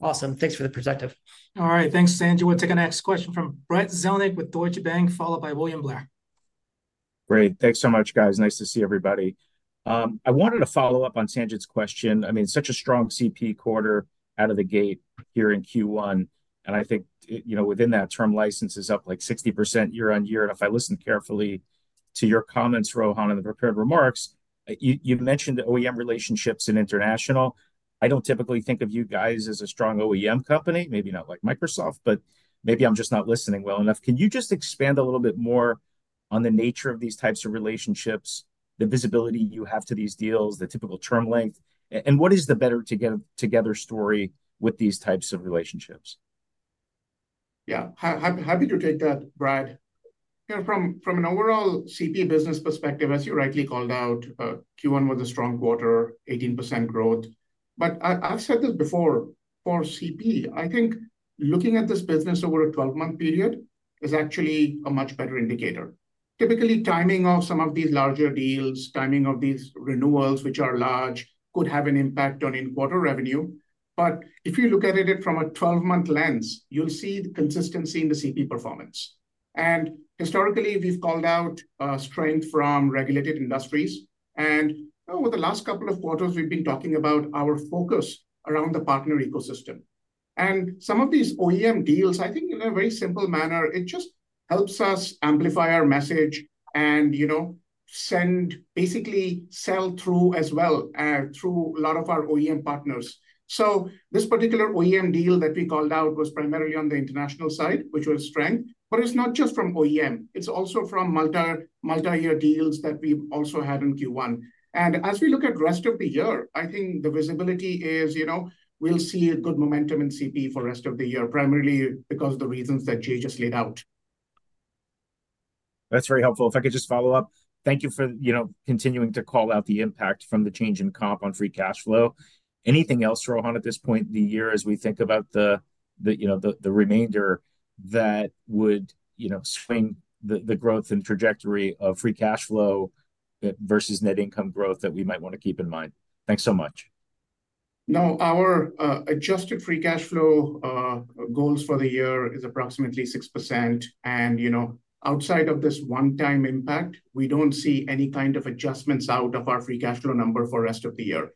Awesome. Thanks for the perspective. All right. Thanks, Sanjit. We'll take our next question from Brad Zelnick with Deutsche Bank, followed by William Blair. Great. Thanks so much, guys. Nice to see everybody. I wanted to follow up on Sanjit's question. I mean, such a strong CP quarter out of the gate here in Q1. I think, you know, within that term, license is up like 60% year on year. If I listen carefully to your comments, Rohan, and the prepared remarks, you mentioned OEM relationships and international. I do not typically think of you guys as a strong OEM company, maybe not like Microsoft, but maybe I am just not listening well enough. Can you just expand a little bit more on the nature of these types of relationships, the visibility you have to these deals, the typical term length, and what is the better together story with these types of relationships? Yeah, how did you take that, Brad? You know, from an overall CP business perspective, as you rightly called out, Q1 was a strong quarter, 18% growth. I have said this before, for CP, I think looking at this business over a 12-month period is actually a much better indicator. Typically, timing of some of these larger deals, timing of these renewals, which are large, could have an impact on in-quarter revenue. If you look at it from a 12-month lens, you'll see the consistency in the CP performance. Historically, we've called out strength from regulated industries. Over the last couple of quarters, we've been talking about our focus around the partner ecosystem. Some of these OEM deals, I think in a very simple manner, just help us amplify our message and, you know, basically sell through as well, through a lot of our OEM partners. This particular OEM deal that we called out was primarily on the international side, which was strength. It's not just from OEM. It's also from multi-year deals that we also had in Q1. As we look at the rest of the year, I think the visibility is, you know, we'll see a good momentum in CP for the rest of the year, primarily because of the reasons that Jay just laid out. That's very helpful. If I could just follow up, thank you for, you know, continuing to call out the impact from the change in comp on free cash flow. Anything else, Rohan, at this point in the year, as we think about the, you know, the remainder that would, you know, swing the growth and trajectory of free cash flow versus net income growth that we might want to keep in mind? Thanks so much. No, our adjusted free cash flow goals for the year is approximately 6%. You know, outside of this one-time impact, we do not see any kind of adjustments out of our free cash flow number for the rest of the year.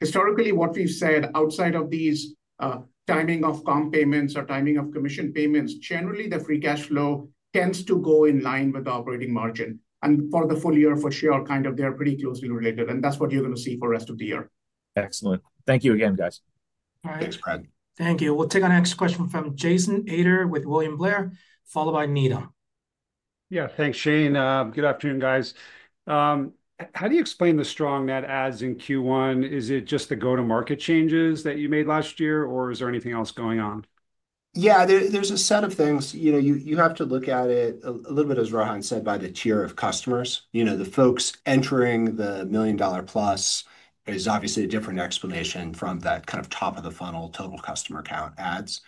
Historically, what we have said outside of these timing of comp payments or timing of commission payments, generally the free cash flow tends to go in line with the operating margin. For the full year, for sure, they are pretty closely related. That is what you are going to see for the rest of the year. Excellent. Thank you again, guys. Thanks, Brad. Thank you. We will take our next question from Jason Ader with William Blair, followed by Nita. Yeah, thanks, Shane. Good afternoon, guys. How do you explain the strong net ads in Q1? Is it just the go-to-market changes that you made last year, or is there anything else going on?, Yeah, there is a set of things. You know, you have to look at it a little bit, as Rohan said, by the tier of customers. You know, the folks entering the million-dollar-plus is obviously a different explanation from that kind of top-of-the-funnel total customer count ads.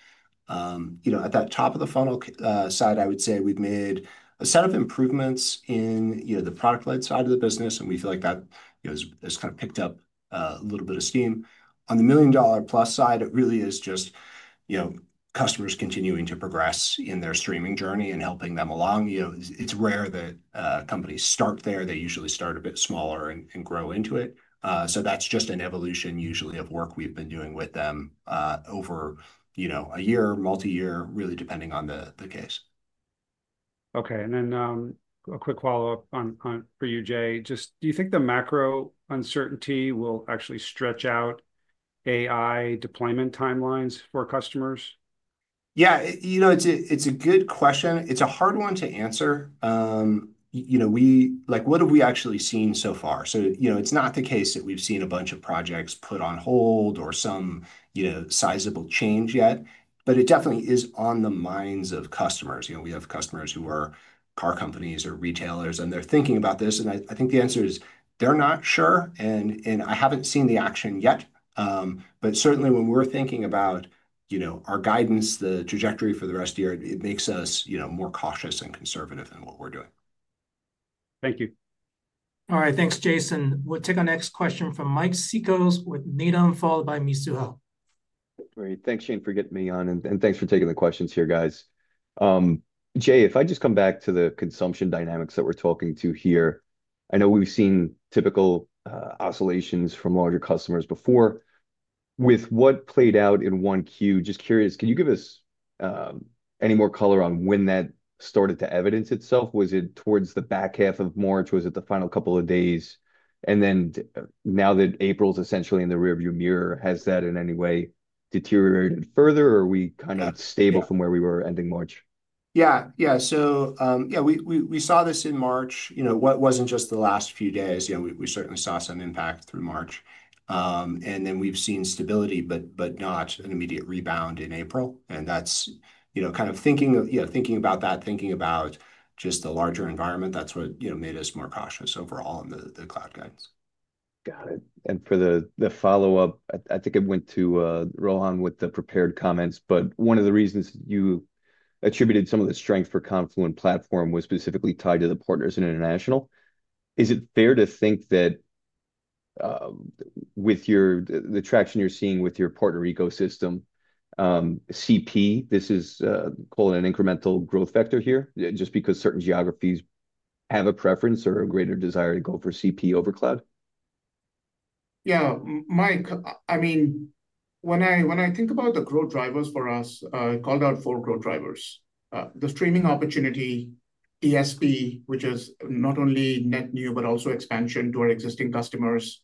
You know, at that top-of-the-funnel side, I would say we've made a set of improvements in, you know, the product-led side of the business. And we feel like that, you know, has kind of picked up a little bit of steam. On the million-dollar-plus side, it really is just, you know, customers continuing to progress in their streaming journey and helping them along. You know, it's rare that companies start there. They usually start a bit smaller and grow into it. So that's just an evolution usually of work we've been doing with them over, you know, a year, multi-year, really depending on the case. Okay. And then a quick follow-up for you, Jay. Just do you think the macro uncertainty will actually stretch out AI deployment timelines for customers? Yeah, you know, it's a good question. It's a hard one to answer. You know, we like, what have we actually seen so far? You know, it's not the case that we've seen a bunch of projects put on hold or some, you know, sizable change yet. It definitely is on the minds of customers. You know, we have customers who are car companies or retailers, and they're thinking about this. I think the answer is they're not sure. I haven't seen the action yet. Certainly when we're thinking about, you know, our guidance, the trajectory for the rest of the year, it makes us, you know, more cautious and conservative than what we're doing. Thank you. All right. Thanks, Jason. We'll take our next question from Mike Cikos with Needham, followed by Mizuho. Great. Thanks, Shane, for getting me on. And thanks for taking the questions here, guys. Jay, if I just come back to the consumption dynamics that we're talking to here, I know we've seen typical oscillations from larger customers before. With what played out in Q1, just curious, can you give us any more color on when that started to evidence itself? Was it towards the back half of March? Was it the final couple of days? And then now that April's essentially in the rearview mirror, has that in any way deteriorated further, or are we kind of stable from where we were ending March? Yeah, yeah. So, yeah, we saw this in March. You know, it wasn't just the last few days. You know, we certainly saw some impact through March. We've seen stability, but not an immediate rebound in April. That's, you know, kind of thinking of, you know, thinking about that, thinking about just the larger environment, that's what, you know, made us more cautious overall in the cloud guidance. Got it. For the follow-up, I think it went to Rohan with the prepared comments. One of the reasons you attributed some of the strength for Confluent Platform was specifically tied to the partners in international. Is it fair to think that with your, the traction you're seeing with your partner ecosystem, CP, this is called an incremental growth vector here, just because certain geographies have a preference or a greater desire to go for CP over cloud? Yeah, Mike, I mean, when I think about the growth drivers for us, I called out four growth drivers. The streaming opportunity, ESP, which is not only net new, but also expansion to our existing customers,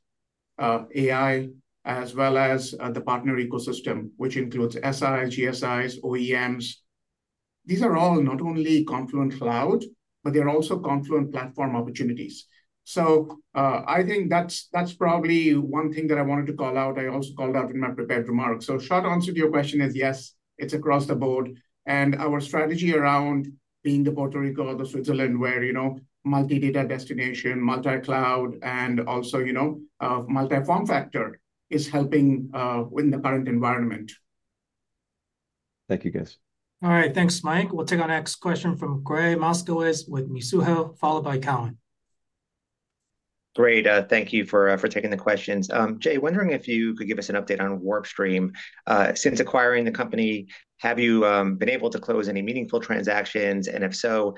AI, as well as the partner ecosystem, which includes SIs, GSIs, OEMs. These are all not only Confluent Cloud, but they're also Confluent Platform opportunities. I think that's probably one thing that I wanted to call out. I also called out in my prepared remarks. Short answer to your question is yes, it's across the board. Our strategy around being the Puerto Rico or the Switzerland, where, you know, multi-data destination, multi-cloud, and also, you know, multi-form factor is helping in the current environment. Thank you, guys. All right. Thanks, Mike. We'll take our next question from Gregg Moskowitz with Mizuho, followed by Cowen. Great. Thank you for taking the questions. Jay, wondering if you could give us an update on WarpStream. Since acquiring the company, have you been able to close any meaningful transactions? And if so,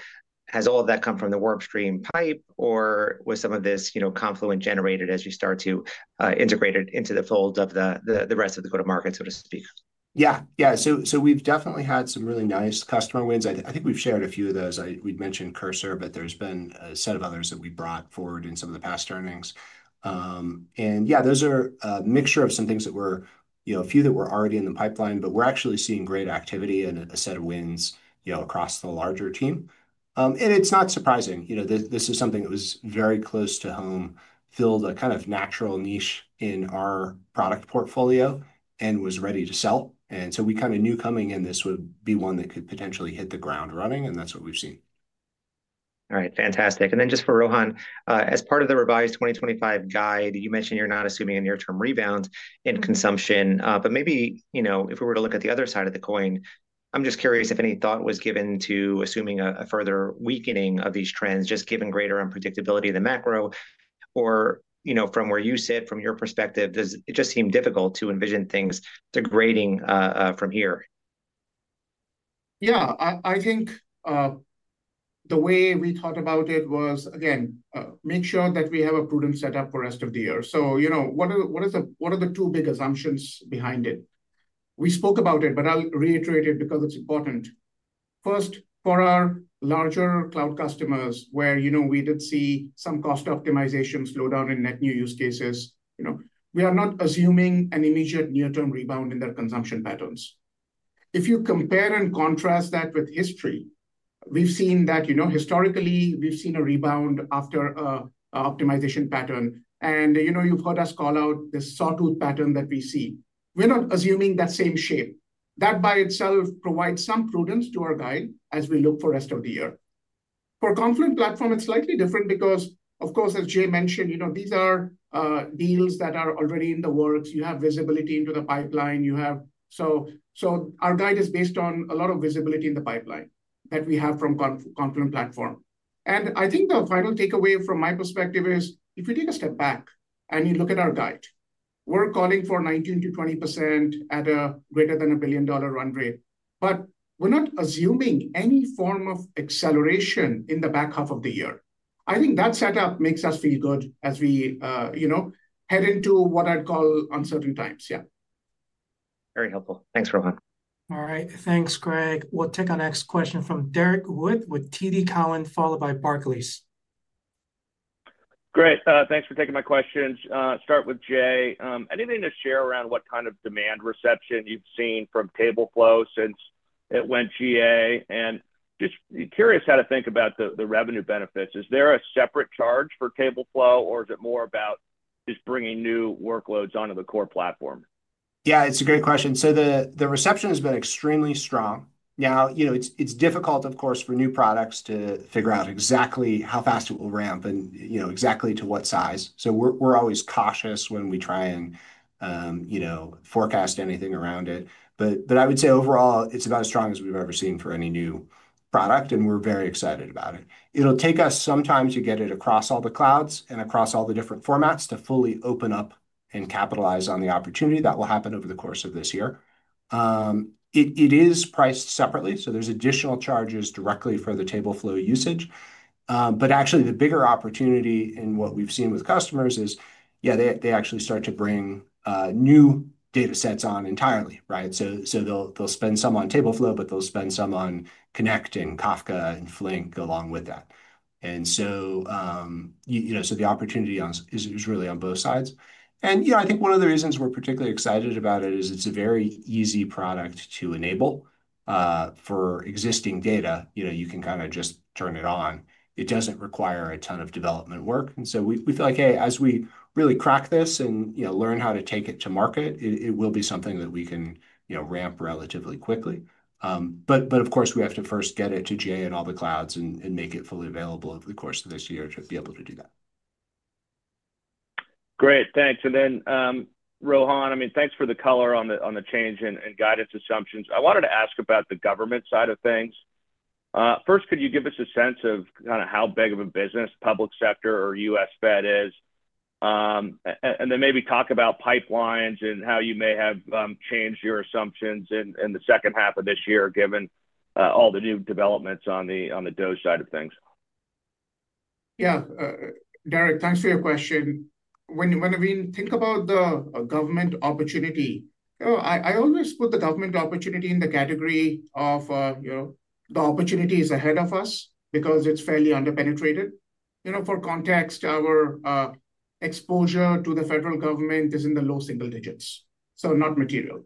has all of that come from the WarpStream pipe, or was some of this, you know, Confluent generated as you start to integrate it into the fold of the rest of the go-to-market, so to speak? Yeah, yeah. We've definitely had some really nice customer wins. I think we've shared a few of those. We'd mentioned Cursor, but there's been a set of others that we brought forward in some of the past earnings. Yeah, those are a mixture of some things that were, you know, a few that were already in the pipeline, but we're actually seeing great activity and a set of wins, you know, across the larger team. It's not surprising. You know, this is something that was very close to home, filled a kind of natural niche in our product portfolio, and was ready to sell. We kind of knew coming in this would be one that could potentially hit the ground running. That is what we have seen. All right. Fantastic. Then just for Rohan, as part of the revised 2025 guide, you mentioned you are not assuming a near-term rebound in consumption. Maybe, you know, if we were to look at the other side of the coin, I am just curious if any thought was given to assuming a further weakening of these trends, just given greater unpredictability of the macro, or, you know, from where you sit, from your perspective, does it just seem difficult to envision things degrading from here? Yeah, I think the way we thought about it was, again, make sure that we have a prudent setup for the rest of the year. You know, what are the two big assumptions behind it? We spoke about it, but I'll reiterate it because it's important. First, for our larger cloud customers, where, you know, we did see some cost optimization slowdown in net new use cases, you know, we are not assuming an immediate near-term rebound in their consumption patterns. If you compare and contrast that with history, we've seen that, you know, historically, we've seen a rebound after an optimization pattern. You know, you've heard us call out this sawtooth pattern that we see. We're not assuming that same shape. That by itself provides some prudence to our guide as we look for the rest of the year. For Confluent Platform, it's slightly different because, of course, as Jay mentioned, you know, these are deals that are already in the works. You have visibility into the pipeline. You have, so our guide is based on a lot of visibility in the pipeline that we have from Confluent Platform. I think the final takeaway from my perspective is if you take a step back and you look at our guide, we're calling for 19%-20% at a greater than a billion-dollar run rate. We're not assuming any form of acceleration in the back half of the year. I think that setup makes us feel good as we, you know, head into what I'd call uncertain times. Yeah. Very helpful. Thanks, Rohan. All right. Thanks, Greg. We'll take our next question from Derrick Wood with TD Cowen, followed by Barclays. Great. Thanks for taking my questions. Start with Jay. Anything to share around what kind of demand reception you've seen from TableFlow since it went GA? And just curious how to think about the revenue benefits. Is there a separate charge for TableFlow, or is it more about just bringing new workloads onto the core platform? Yeah, it's a great question. The reception has been extremely strong. Now, you know, it's difficult, of course, for new products to figure out exactly how fast it will ramp and, you know, exactly to what size. We're always cautious when we try and, you know, forecast anything around it. I would say overall, it's about as strong as we've ever seen for any new product, and we're very excited about it. It'll take us some time to get it across all the clouds and across all the different formats to fully open up and capitalize on the opportunity that will happen over the course of this year. It is priced separately, so there's additional charges directly for the TableFlow usage. Actually, the bigger opportunity in what we've seen with customers is, yeah, they actually start to bring new data sets on entirely, right? They'll spend some on TableFlow, but they'll spend some on Connect and Kafka and Flink along with that. The opportunity is really on both sides. I think one of the reasons we're particularly excited about it is it's a very easy product to enable for existing data. You know, you can kind of just turn it on. It doesn't require a ton of development work. We feel like, hey, as we really crack this and, you know, learn how to take it to market, it will be something that we can, you know, ramp relatively quickly. Of course, we have to first get it to Jay and all the clouds and make it fully available over the course of this year to be able to do that. Great. Thanks. Rohan, I mean, thanks for the color on the change and guidance assumptions. I wanted to ask about the government side of things. First, could you give us a sense of kind of how big of a business public sector or US Fed is? Maybe talk about pipelines and how you may have changed your assumptions in the second half of this year, given all the new developments on the DOGE side of things. Yeah, Derrick, thanks for your question. When we think about the government opportunity, I always put the government opportunity in the category of, you know, the opportunity is ahead of us because it's fairly under-penetrated. You know, for context, our exposure to the federal government is in the low single digits. So not material.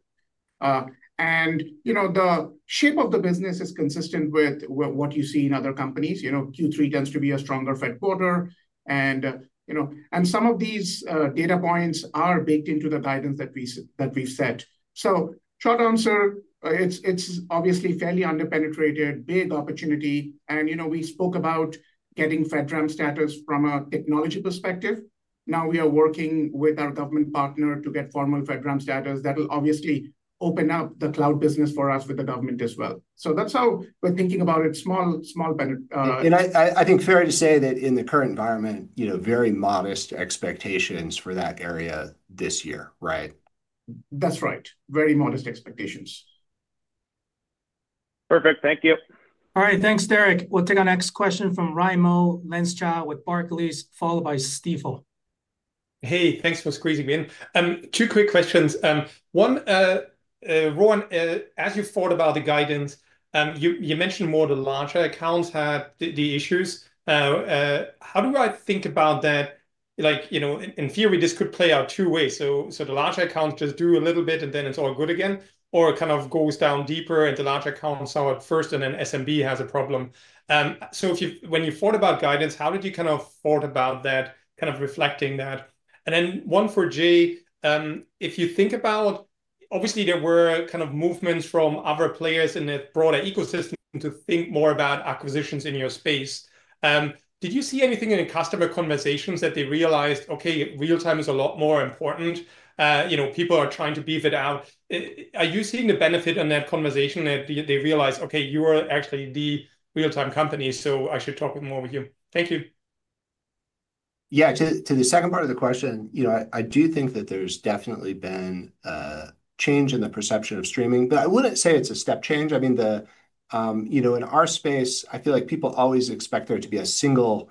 You know, the shape of the business is consistent with what you see in other companies. Q3 tends to be a stronger Fed quarter. You know, some of these data points are baked into the guidance that we've set. Short answer, it's obviously fairly under-penetrated, big opportunity. You know, we spoke about getting FedRAMP status from a technology perspective. Now we are working with our government partner to get formal FedRAMP status. That will obviously open up the cloud business for us with the government as well. That's how we're thinking about it. Small, small. I think fair to say that in the current environment, you know, very modest expectations for that area this year, right? That's right. Very modest expectations. Perfect. Thank you. All right. Thanks, Derrick. We'll take our next question from Raimo Lenschow with Barclays, followed by Stifel. Hey, thanks for squeezing me in. Two quick questions. One, Rohan, as you've thought about the guidance, you mentioned more the larger accounts had the issues. How do I think about that? Like, you know, in theory, this could play out two ways. The larger accounts just do a little bit and then it's all good again, or it kind of goes down deeper and the larger accounts are first and then SMB has a problem. When you thought about guidance, how did you kind of thought about that, kind of reflecting that? And then one for Jay, if you think about, obviously there were kind of movements from other players in the broader ecosystem to think more about acquisitions in your space. Did you see anything in customer conversations that they realized, okay, real-time is a lot more important? You know, people are trying to beef it out. Are you seeing the benefit on that conversation that they realized, okay, you are actually the real-time company, so I should talk more with you? Thank you. Yeah, to the second part of the question, you know, I do think that there's definitely been a change in the perception of streaming, but I would not say it's a step change. I mean, you know, in our space, I feel like people always expect there to be a single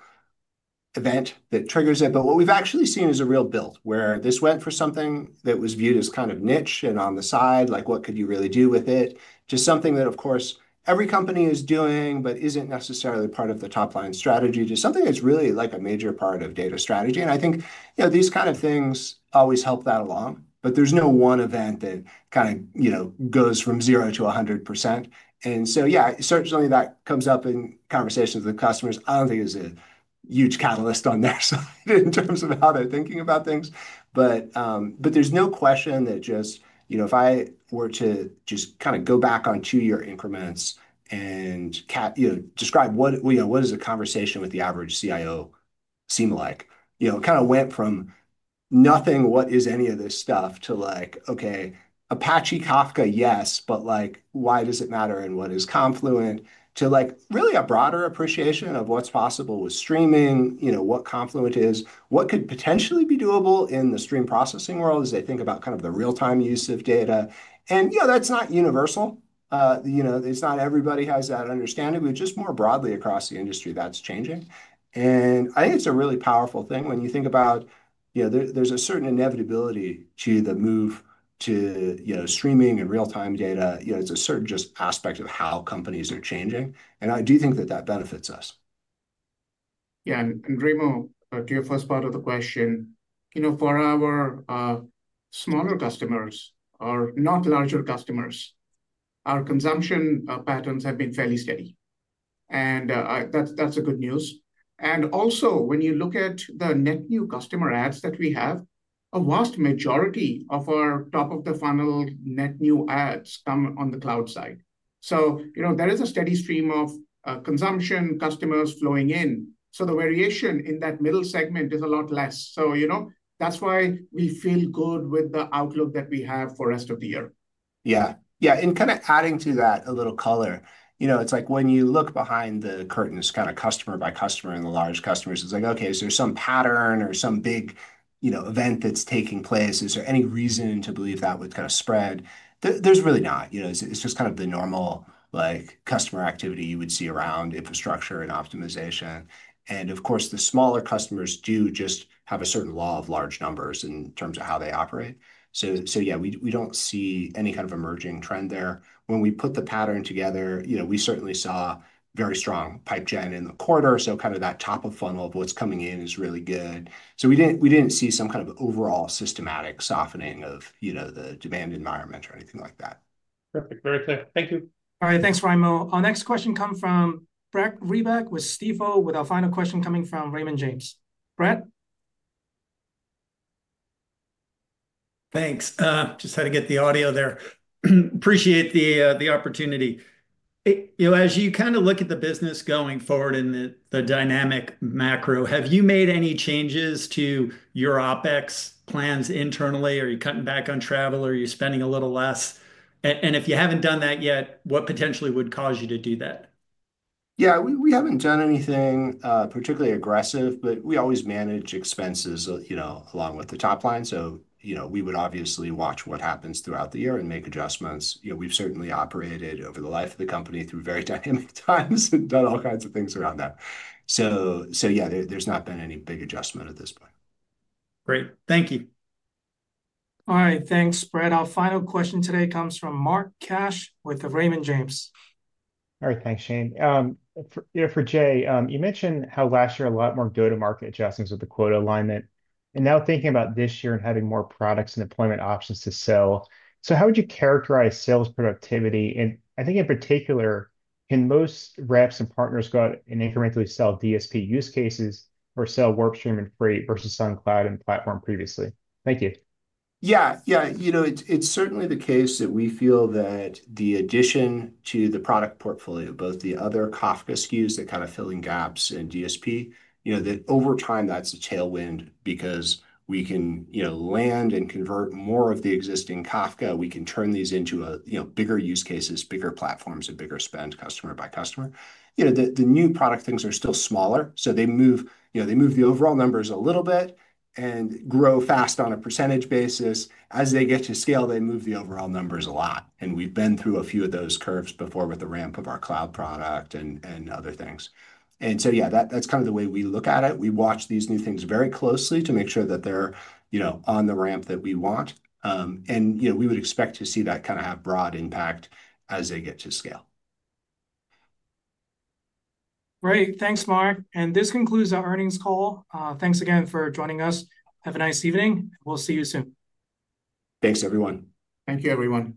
event that triggers it. What we've actually seen is a real build where this went from something that was viewed as kind of niche and on the side, like what could you really do with it, to something that, of course, every company is doing, but is not necessarily part of the top line strategy. Just something that's really like a major part of data strategy. I think, you know, these kind of things always help that along. There is no one event that goes from zero to 100%. Yeah, certainly that comes up in conversations with customers. I do not think it is a huge catalyst on their side in terms of how they are thinking about things. There's no question that just, you know, if I were to just kind of go back on two-year increments and, you know, describe what is a conversation with the average CIO seem like? You know, it kind of went from nothing, what is any of this stuff to like, okay, Apache Kafka, yes, but like, why does it matter and what is Confluent? To like really a broader appreciation of what's possible with streaming, you know, what Confluent is, what could potentially be doable in the stream processing world as they think about kind of the real-time use of data. You know, that's not universal. You know, it's not everybody has that understanding, but just more broadly across the industry, that's changing. I think it's a really powerful thing when you think about, you know, there's a certain inevitability to the move to, you know, streaming and real-time data. You know, it's a certain just aspect of how companies are changing. I do think that that benefits us. Yeah, and Raimo, to your first part of the question, you know, for our smaller customers or not larger customers, our consumption patterns have been fairly steady. That's a good news. Also, when you look at the net new customer ads that we have, a vast majority of our top-of-the-funnel net new ads come on the cloud side. You know, there is a steady stream of consumption customers flowing in. The variation in that middle segment is a lot less. You know, that's why we feel good with the outlook that we have for the rest of the year. Yeah, yeah. Kind of adding to that a little color, you know, it's like when you look behind the curtains, kind of customer by customer and the large customers, it's like, okay, is there some pattern or some big, you know, event that's taking place? Is there any reason to believe that would kind of spread? There's really not, you know, it's just kind of the normal like customer activity you would see around infrastructure and optimization. Of course, the smaller customers do just have a certain law of large numbers in terms of how they operate. So, yeah, we don't see any kind of emerging trend there. When we put the pattern together, you know, we certainly saw very strong pipe jet in the quarter. Kind of that top of funnel of what's coming in is really good. We didn't see some kind of overall systematic softening of, you know, the demand environment or anything like that. Perfect. Very clear. Thank you. All right. Thanks, Raimo. Our next question comes from Brad Reback with Stifel, with our final question coming from Raymond James. Brad. Thanks. Just had to get the audio there. Appreciate the opportunity. You know, as you kind of look at the business going forward in the dynamic macro, have you made any changes to your OpEx plans internally? Are you cutting back on travel? Are you spending a little less? If you haven't done that yet, what potentially would cause you to do that? Yeah, we haven't done anything particularly aggressive, but we always manage expenses, you know, along with the top line. You know, we would obviously watch what happens throughout the year and make adjustments. You know, we've certainly operated over the life of the company through very dynamic times and done all kinds of things around that. Yeah, there's not been any big adjustment at this point. Great. Thank you. All right. Thanks, Brad. Our final question today comes from Mark Cash with Raymond James. All right. Thanks, Shane. For Jay, you mentioned how last year a lot more go-to-market adjustments with the quota alignment. Now thinking about this year and having more products and deployment options to sell, how would you characterize sales productivity? I think in particular, can most reps and partners go out and incrementally sell DSP use cases or sell WarpStream and Freight Clusters versus selling cloud and platform previously? Thank you. Yeah, yeah. You know, it's certainly the case that we feel that the addition to the product portfolio, both the other Kafka SKUs that kind of fill in gaps in DSP, you know, that over time that's a tailwind because we can, you know, land and convert more of the existing Kafka. We can turn these into a, you know, bigger use cases, bigger platforms, and bigger spend, customer by customer. You know, the new product things are still smaller. They move, you know, they move the overall numbers a little bit and grow fast on a percentage basis. As they get to scale, they move the overall numbers a lot. We have been through a few of those curves before with the ramp of our cloud product and other things. Yeah, that's kind of the way we look at it. We watch these new things very closely to make sure that they're, you know, on the ramp that we want. You know, we would expect to see that kind of have broad impact as they get to scale. Great. Thanks, Mark. This concludes our earnings call. Thanks again for joining us. Have a nice evening. We'll see you soon. Thanks, everyone. Thank you, everyone.